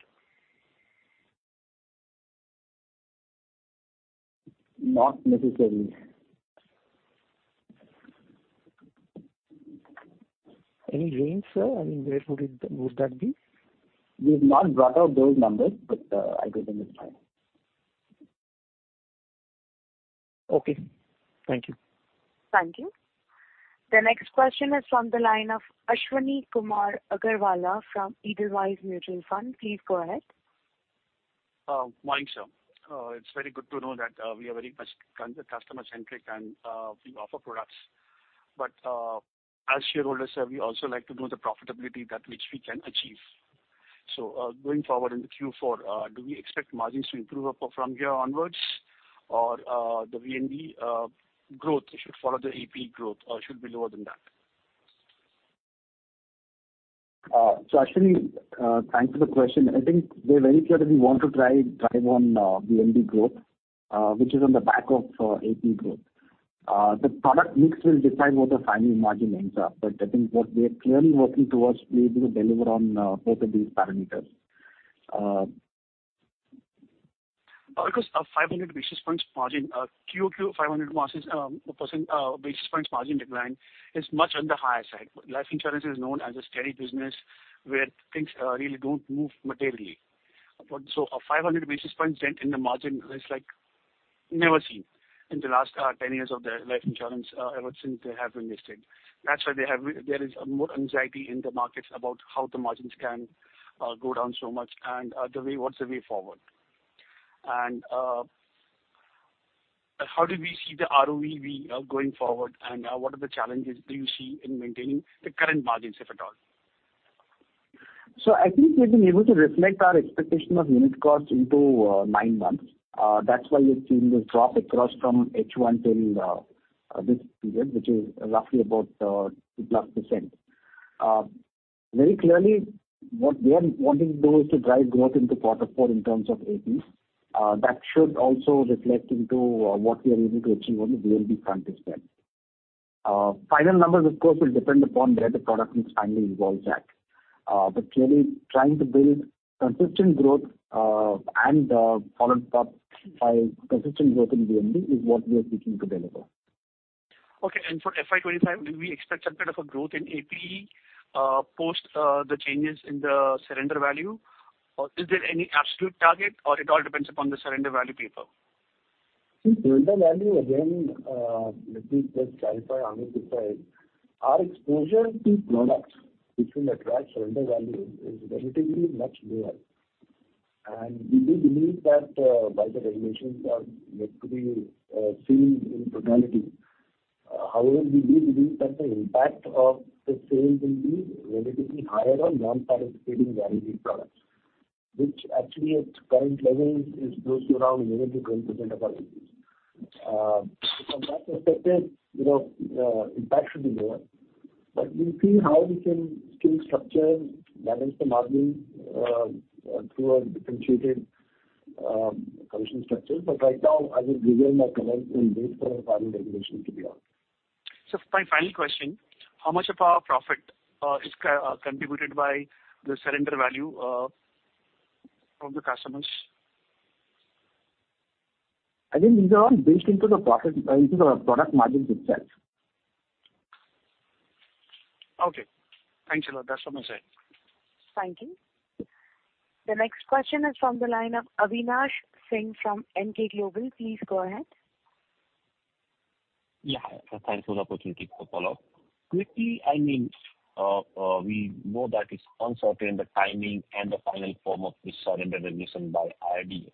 Not necessarily. Any range, sir? I mean, where would, would that be? We've not brought out those numbers, but, I'll get them this time. Okay. Thank you. Thank you. The next question is from the line of Ashwani Kumar Agarwalla from Edelweiss Mutual Fund. Please go ahead. Morning, sir. It's very good to know that we are very much customer-centric, and we offer products. But as shareholders, sir, we also like to know the profitability that which we can achieve. So going forward in the Q4, do we expect margins to improve up from here onwards? Or the VNB growth should follow the AP growth, or should be lower than that? So Ashwani, thanks for the question. I think we're very clear that we want to try drive on, VNB growth, which is on the back of, AP growth. The product mix will decide what the final margin ends up, but I think what we are clearly working towards be able to deliver on, both of these parameters. Because of 500 basis points margin, Q over Q, 500 margins, percent, basis points margin decline is much on the higher side. Life insurance is known as a steady business, where things really don't move materially. But so a 500 basis points dent in the margin is, like, never seen in the last 10 years of the life insurance, ever since they have been listed. That's why there is more anxiety in the markets about how the margins can go down so much, and the way- what's the way forward? And how do we see the ROE going forward? And what are the challenges do you see in maintaining the current margins, if at all? So I think we've been able to reflect our expectation of unit costs into nine months. That's why you're seeing the drop across from H1 till this period, which is roughly about 2%+. Very clearly, what we are wanting to do is to drive growth into quarter four in terms of APE. That should also reflect into what we are able to achieve on the VNB front as well. Final numbers, of course, will depend upon where the product mix finally evolves at. But clearly trying to build consistent growth, and followed up by consistent growth in VNB, is what we are seeking to deliver. Okay. And for FY 2025, will we expect some kind of a growth in APE post the changes in the surrender value? Or is there any absolute target, or it all depends upon the surrender value paper? Surrender value, again, let me just clarify, Ashawani, if I... Our exposure to products which will attract surrender value is relatively much lower. We do believe that, while the regulations are yet to be seen in totality, however, we do believe that the impact of the sale will be relatively higher on non-participating guaranteed products, which actually at current levels is close to around 11%-10% of our AP. From that perspective, you know, impact should be lower. But we'll see how we can still structure, manage the margin, through a differentiated commission structure. But right now, I will reserve my comments and wait for the final regulation to be out. So my final question, how much of our profit is contributed by the surrender value from the customers? I think these are all built into the profit, into the product margins itself. Okay. Thanks a lot. That's from my side. Thank you. The next question is from the line of Avinash Singh from Emkay Global. Please go ahead. Yeah. So thanks for the opportunity for follow-up. Quickly, I mean, we know that it's uncertain, the timing and the final form of the surrender regulation by IRDAI.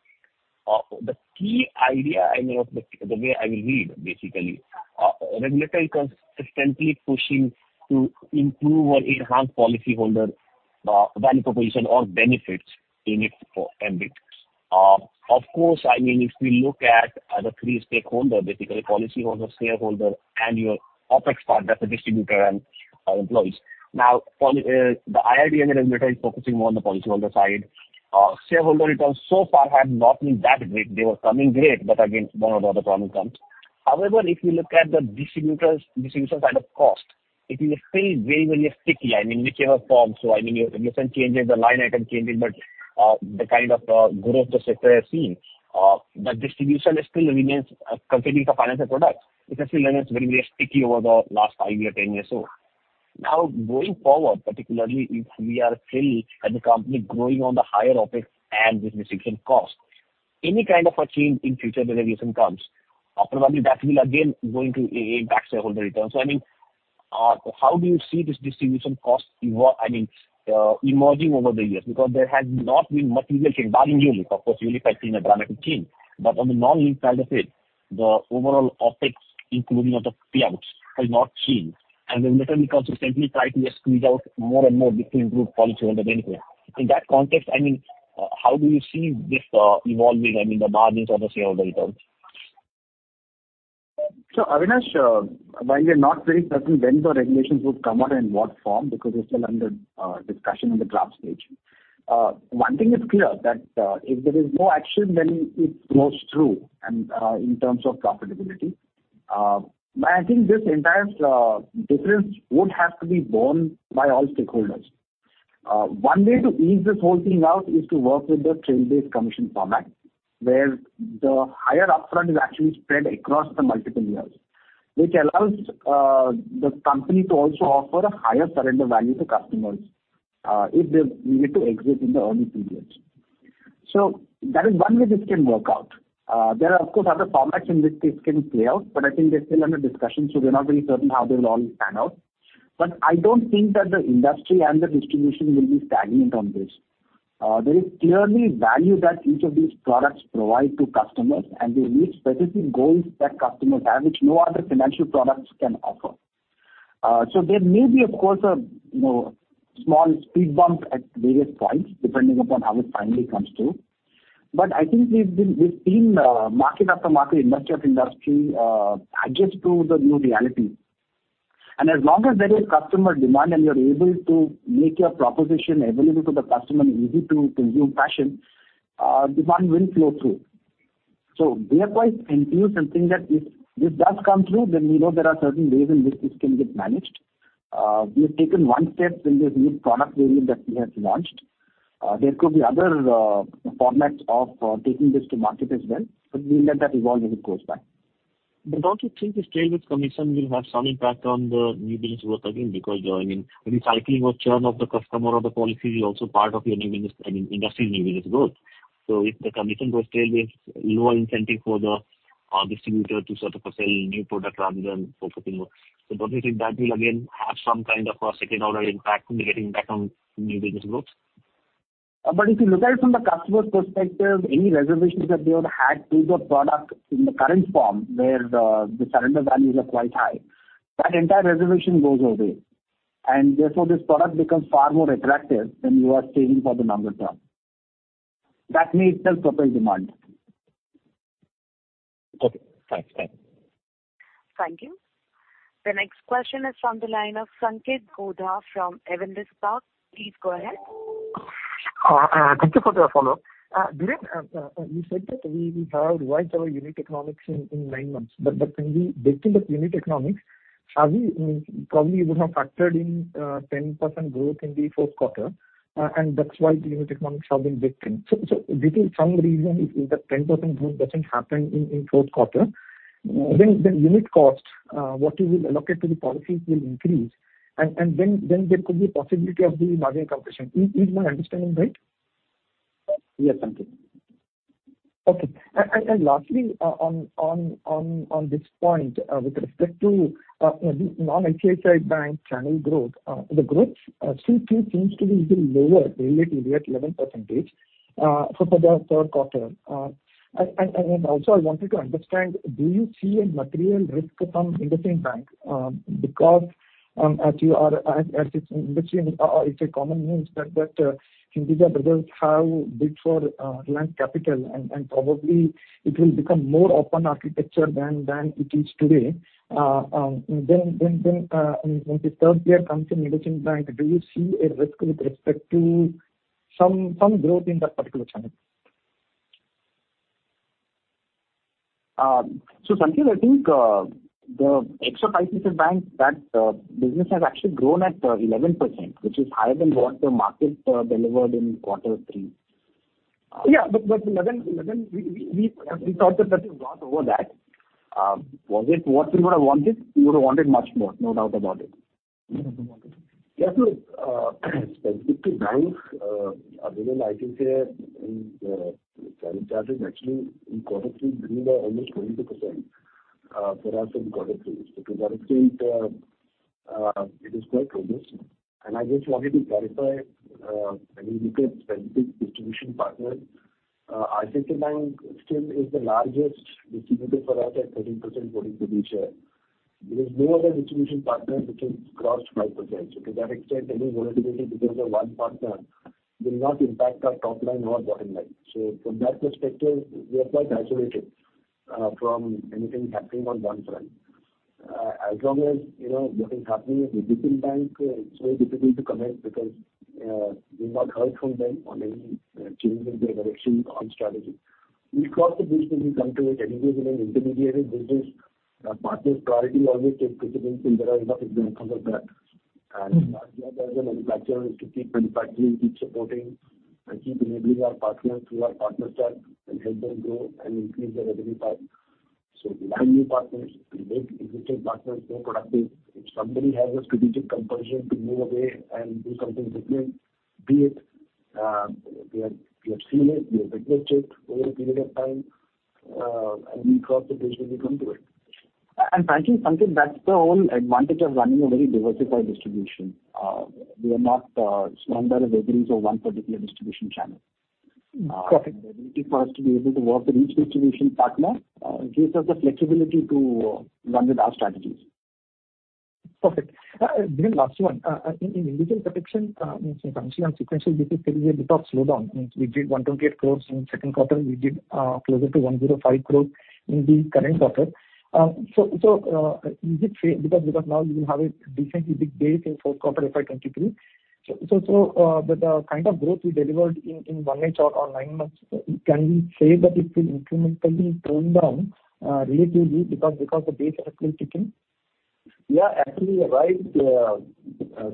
The key idea I know of the, the way I will read, basically, regulator is consistently pushing to improve or enhance policyholder, value proposition or benefits in it for MB. Of course, I mean, if we look at, the three stakeholder, basically, policyholder, shareholder, and your OpEx part, that's the distributor and, employees. Now, policyholder, the IRDAI and the regulator is focusing more on the policyholder side. Shareholder returns so far have not been that great. They were coming great, but again, don't know where the problem comes. However, if you look at the distributors, distribution side of cost, it is still very, very sticky. I mean, whichever form, so I mean, your business changes, the line item changes, but, the kind of, growth the sector has seen, the distribution still remains a complicated financial product. It has still remains very, very sticky over the last five-year, 10 years or so. Now, going forward, particularly if we are still at the company growing on the higher OpEx and distribution costs, any kind of a change in future regulation comes, after probably that will again going to impact shareholder returns. So, I mean, how do you see this distribution cost emerging over the years? Because there has not been much real change, bancassurance, of course, you will be seeing a dramatic change. But on the non-link side of it, the overall OpEx, including all the payouts, has not changed. The regulator will consistently try to squeeze out more and more different group policyholder benefits. In that context, I mean, how do you see this evolving, I mean, the margins or the shareholder returns? So, Avinash, while we are not very certain when the regulations would come out and what form, because it's still under discussion in the draft stage, one thing is clear, that, if there is no action, then it goes through and, in terms of profitability. But I think this entire difference would have to be borne by all stakeholders. One way to ease this whole thing out is to work with the trail-based commission format, where the higher upfront is actually spread across the multiple years, which allows the company to also offer a higher surrender value to customers, if they need to exit in the early periods. So that is one way this can work out. There are, of course, other formats in which this can play out, but I think they're still under discussion, so we're not very certain how they will all pan out. But I don't think that the industry and the distribution will be stagnant on this. There is clearly value that each of these products provide to customers, and they meet specific goals that customers have, which no other financial products can offer. So there may be, of course, a, you know, small speed bump at various points, depending upon how it finally comes through. But I think we've seen, market after market, industry after industry, adjust to the new reality. And as long as there is customer demand and you're able to make your proposition available to the customer in easy to consume fashion, demand will flow through. So therefore, I feel something that if this does come through, then we know there are certain ways in which this can get managed. We have taken one step in this new product variant that we have launched. There could be other formats of taking this to market as well, but we'll let that evolve as it goes by. But don't you think this trail with commission will have some impact on the new business growth again? Because, I mean, the cycling or churn of the customer or the policy is also part of your new business, I mean, industry new business growth. So if the commission was trail-based, lower incentive for the- or distributor to sort of a sell new product rather than focusing more. So don't you think that will again have some kind of a second order impact in getting back on new business growth? But if you look at it from the customer's perspective, any reservations that they would had to the product in the current form, where the surrender values are quite high, that entire reservation goes away. And therefore, this product becomes far more attractive than you are saving for the longer term. That in itself propel demand. Okay, thanks. Thank you. Thank you. The next question is from the line of Sanketh Godha from Avendus Spark. Please go ahead. Thank you for the follow-up. Dhiren, you said that we will have revised our unit economics in nine months. But when we break in the unit economics, are we-- probably you would have factored in 10% growth in the fourth quarter, and that's why the unit economics are being broken. So between some reason, if that 10% growth doesn't happen in fourth quarter, then unit cost what you will allocate to the policies will increase, and then there could be a possibility of the margin compression. Is my understanding right? Yes, Sanketh. Okay. And lastly, on this point, with respect to the non-HDFC Bank channel growth, the growth Q2 seems to be even lower relatively at 11% for the third quarter. And also I wanted to understand, do you see a material risk from IndusInd Bank? Because as it's industry, it's a common news that Hinduja Brothers have bid for Reliance Capital and probably it will become more open architecture than it is today. Then when the third player comes in IndusInd Bank, do you see a risk with respect to some growth in that particular channel? Sanket, I think the Ex-ICICI Bank that business has actually grown at 11%, which is higher than what the market delivered in quarter three. Yeah, but 11%, we thought that is gone over that. Was it what we would have wanted? We would have wanted much more, no doubt about it. Yeah, so specific to banks, available, I can say in current charges, actually in quarter three, grew by almost 22%, for us in quarter three. So to that extent, it is quite robust. I just wanted to clarify, when you look at specific distribution partners, ICICI Bank still is the largest distributor for us at 13%-14% share. There is no other distribution partner which has crossed 5%. So to that extent, any volatility because of one partner will not impact our top line or bottom line. So from that perspective, we are quite isolated from anything happening on one front. As long as, you know, what is happening in IndusInd Bank, it's very difficult to comment because we've not heard from them on any change in their direction on strategy. We cross the bridge when we come to it. Anyway, in an intermediary business, our partner's priority always takes precedence, and there is nothing we can do about that. Mm-hmm. Our job as a manufacturer is to keep manufacturing, keep supporting, and keep enabling our partners through our partner stack, and help them grow and increase their revenue part. We find new partners, we make existing partners more productive. If somebody has a strategic compulsion to move away and do something different, be it, we have seen it, we have witnessed it over a period of time, and we cross the bridge when we come to it. Frankly, Sanket, that's the whole advantage of running a very diversified distribution. We are not dependent on revenues of one particular distribution channel. Correct. The ability for us to be able to work with each distribution partner gives us the flexibility to run with our strategies. Perfect. Dhiren, last one. In individual protection, functionally and sequentially, there is a bit of slowdown. We did 128 crore in second quarter, we did closer to 105 crore in the current quarter. So, is it fair because now you have a decently big base in fourth quarter of FY 2023. So, but the kind of growth we delivered in one month or nine months, can we say that it will incrementally tone down relatively because the base are still ticking? Yeah, actually, you're right,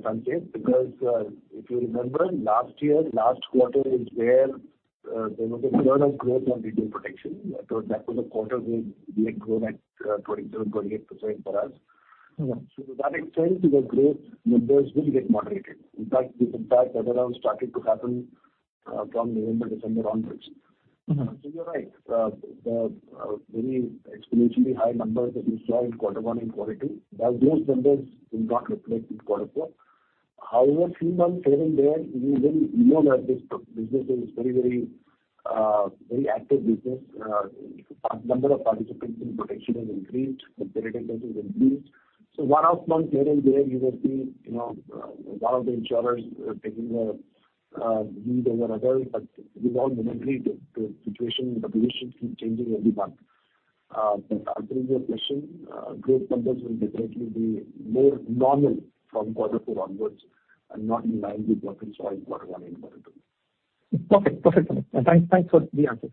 Sanketh, because if you remember, last year, last quarter is where there was a surge of growth on digital protection. So that was a quarter where we had grown at 27%-28% for us. Mm-hmm. To that extent, the growth numbers will get moderated. In fact, that already started to happen from November, December onwards. Mm-hmm. So you're right. The very exponentially high numbers that you saw in quarter one and quarter two, now those numbers will not reflect in quarter four. However, few months here and there, you will know that this business is very, very, very active business. Number of participants in protection has increased, the penetration increased. So one-off months here and there, you will see, you know, one of the insurers taking a lead over other, but we all agree the, the situation, the penetration keep changing every month. But answering your question, growth numbers will definitely be more normal from quarter four onwards, and not in line with what we saw in quarter one and quarter two. Perfect. Perfect, perfect. Thanks, thanks for the answers.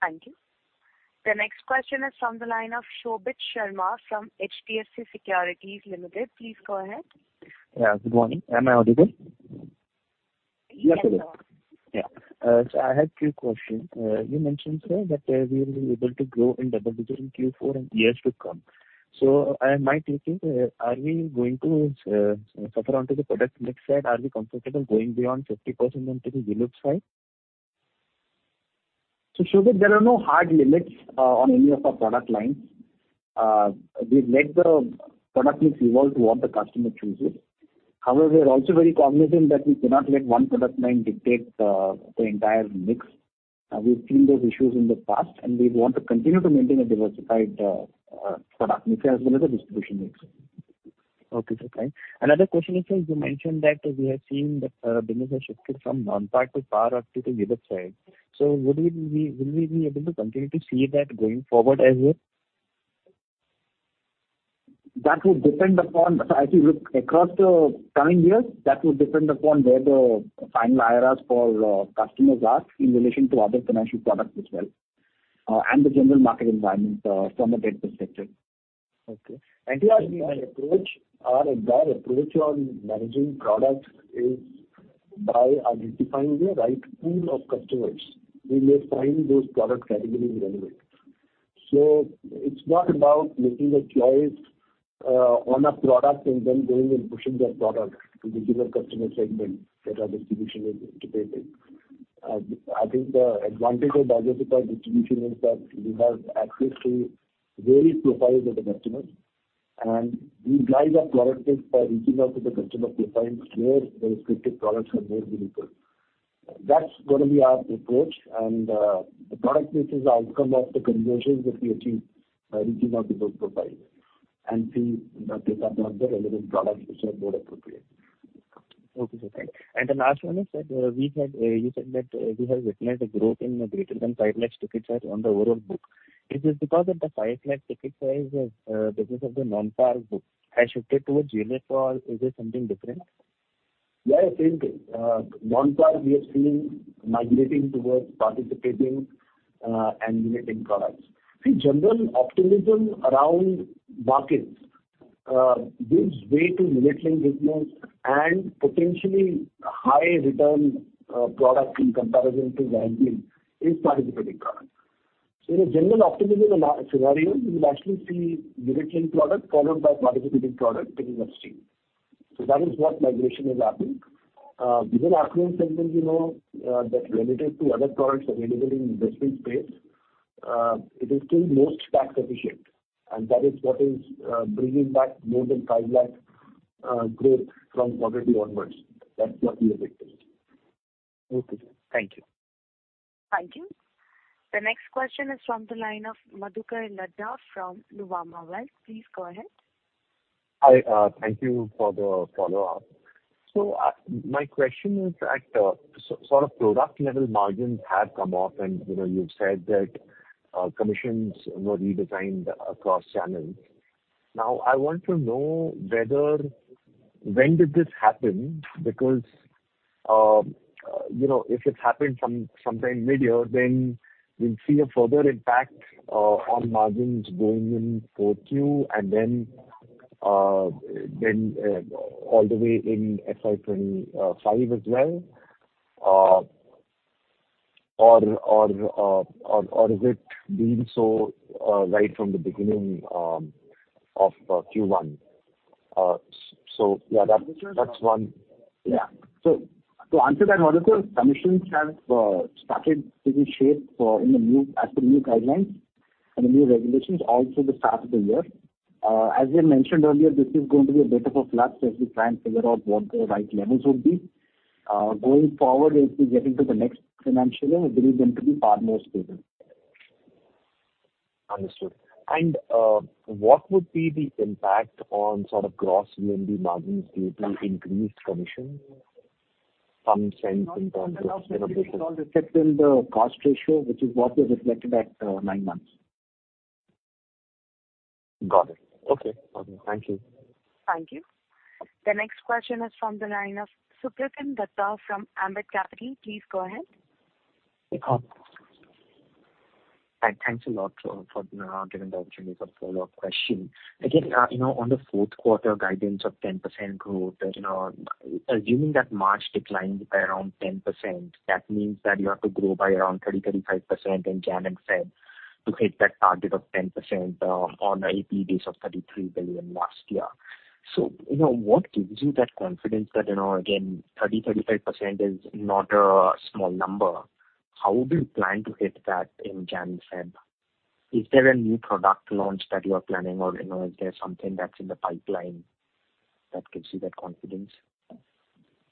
Thank you. The next question is from the line of Shobhit Sharma from HDFC Securities Limited. Please go ahead. Yeah, good morning. Am I audible? Yes, sir. Yes, sir. Yeah. So I had few questions. You mentioned, sir, that we will be able to grow in double digits in Q4 and years to come. So, and my thinking, are we going to suffer onto the product mix side? Are we comfortable going beyond 50% onto the unit side? So Shobhit, there are no hard limits on any of our product lines. We've let the product mix evolve to what the customer chooses. However, we are also very cognizant that we cannot let one product line dictate the entire mix. We've seen those issues in the past, and we want to continue to maintain a diversified product mix as well as a distribution mix. Okay, so fine. Another question is that you mentioned that we have seen that, business has shifted from non-par to par up to the unit side. So would we be-- will we be able to continue to see that going forward as well? That would depend upon as you look across the coming years, that would depend upon where the final IRRs for customers are in relation to other financial products as well, and the general market environment, from a rate perspective. Okay. To our approach, our entire approach on managing products is by identifying the right pool of customers. We may find those product categories relevant. It's not about making a choice on a product and then going and pushing that product to the given customer segment that our distribution is dictated. I think the advantage of diversified distribution is that we have access to various profiles of the customers, and we drive our product by reaching out to the customer profiles where those specific products are more relevant. That's going to be our approach, and the product mix is the outcome of the conversions that we achieve by reaching out to those profiles and see that these are not the relevant products which are more appropriate. Okay, sir. Thank you. And the last one is that, we had, you said that, we have witnessed a growth in greater than 5 lakh ticket size on the overall book. Is this because of the 5 lakh ticket size business of the non-par book has shifted towards unit or is it something different? Yeah, I think, non-PAR, we are seeing migrating towards participating, and unit-linked products. The general optimism around markets gives way to unit-linked business and potentially high return product in comparison to banking is participating product. So in a general optimism scenario, you will actually see unit-linked product followed by participating product picking up steam. So that is what migration is happening. Within acquisition segment, we know that relative to other products available in investment space, it is still most tax efficient, and that is what is bringing back more than 5 lakh growth from Q1 onwards. That's what we are witnessing. Okay, sir. Thank you. Thank you. The next question is from the line of Madhukar Ladha from Nuvama Wealth. Please go ahead. Hi, thank you for the follow-up. So my question is that, so sort of product level margins have come off, and, you know, you've said that, commissions were redesigned across channels. Now, I want to know whether... When did this happen? Because, you know, if it happened sometime midyear, then we'll see a further impact on margins going in 4Q and then all the way in FY 2025 as well. Or is it being so right from the beginning of Q1? So, yeah, that's one. Yeah. So to answer that, Madhukar, commissions have started taking shape in the new, as the new guidelines and the new regulations all through the start of the year. As we mentioned earlier, this is going to be a bit of a flux as we try and figure out what the right levels would be. Going forward, as we get into the next financial year, it is going to be far more stable. Understood. What would be the impact on sort of gross VNB margins due to increased commission? Some sense in terms of- Except in the cost ratio, which is what was reflected at nine months. Got it. Okay, perfect. Thank you. Thank you. The next question is from the line of Supratim Datta from Ambit Capital. Please go ahead. Hi, thanks a lot for giving the opportunity for a follow-up question. Again, you know, on the fourth quarter guidance of 10% growth, you know, assuming that March declined by around 10%, that means that you have to grow by around 30%-35% in January and February to hit that target of 10%, on a AP base of 33 billion last year. So, you know, what gives you that confidence that, you know, again, 30%-35% is not a small number. How do you plan to hit that in January and February? Is there a new product launch that you are planning or, you know, is there something that's in the pipeline that gives you that confidence?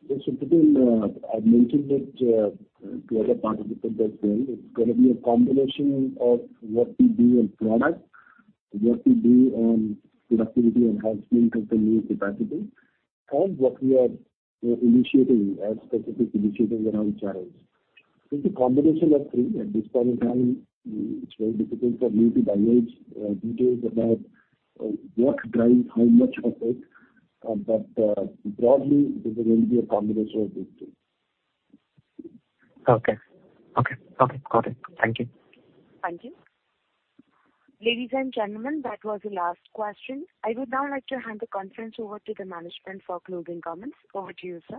Yes, Supratim, I've mentioned that to other participants as well. It's going to be a combination of what we do in product, what we do on productivity enhancement and the new capacities, and what we are initiating as specific initiatives around channels. It's a combination of three. At this point in time, it's very difficult for me to divulge details about what drives how much of it, but broadly, this is going to be a combination of these three. Okay. Okay. Okay, got it. Thank you. Thank you. Ladies and gentlemen, that was the last question. I would now like to hand the conference over to the management for closing comments. Over to you, sir.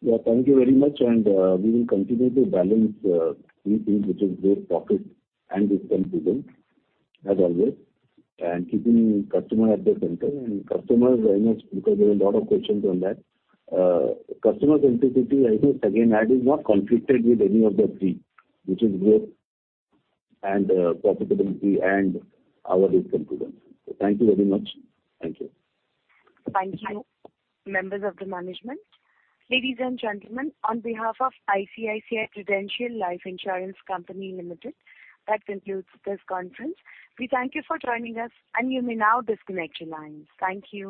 Yeah, thank you very much. And we will continue to balance three things, which is growth, profit, and discipline, as always, and keeping customer at the center. And customers very much, because there are a lot of questions on that. Customer centricity, I think, again, that is not conflicted with any of the three, which is growth and profitability and our discipline. So thank you very much. Thank you. Thank you, members of the management. Ladies and gentlemen, on behalf of ICICI Prudential Life Insurance Company Limited, that concludes this conference. We thank you for joining us, and you may now disconnect your lines. Thank you.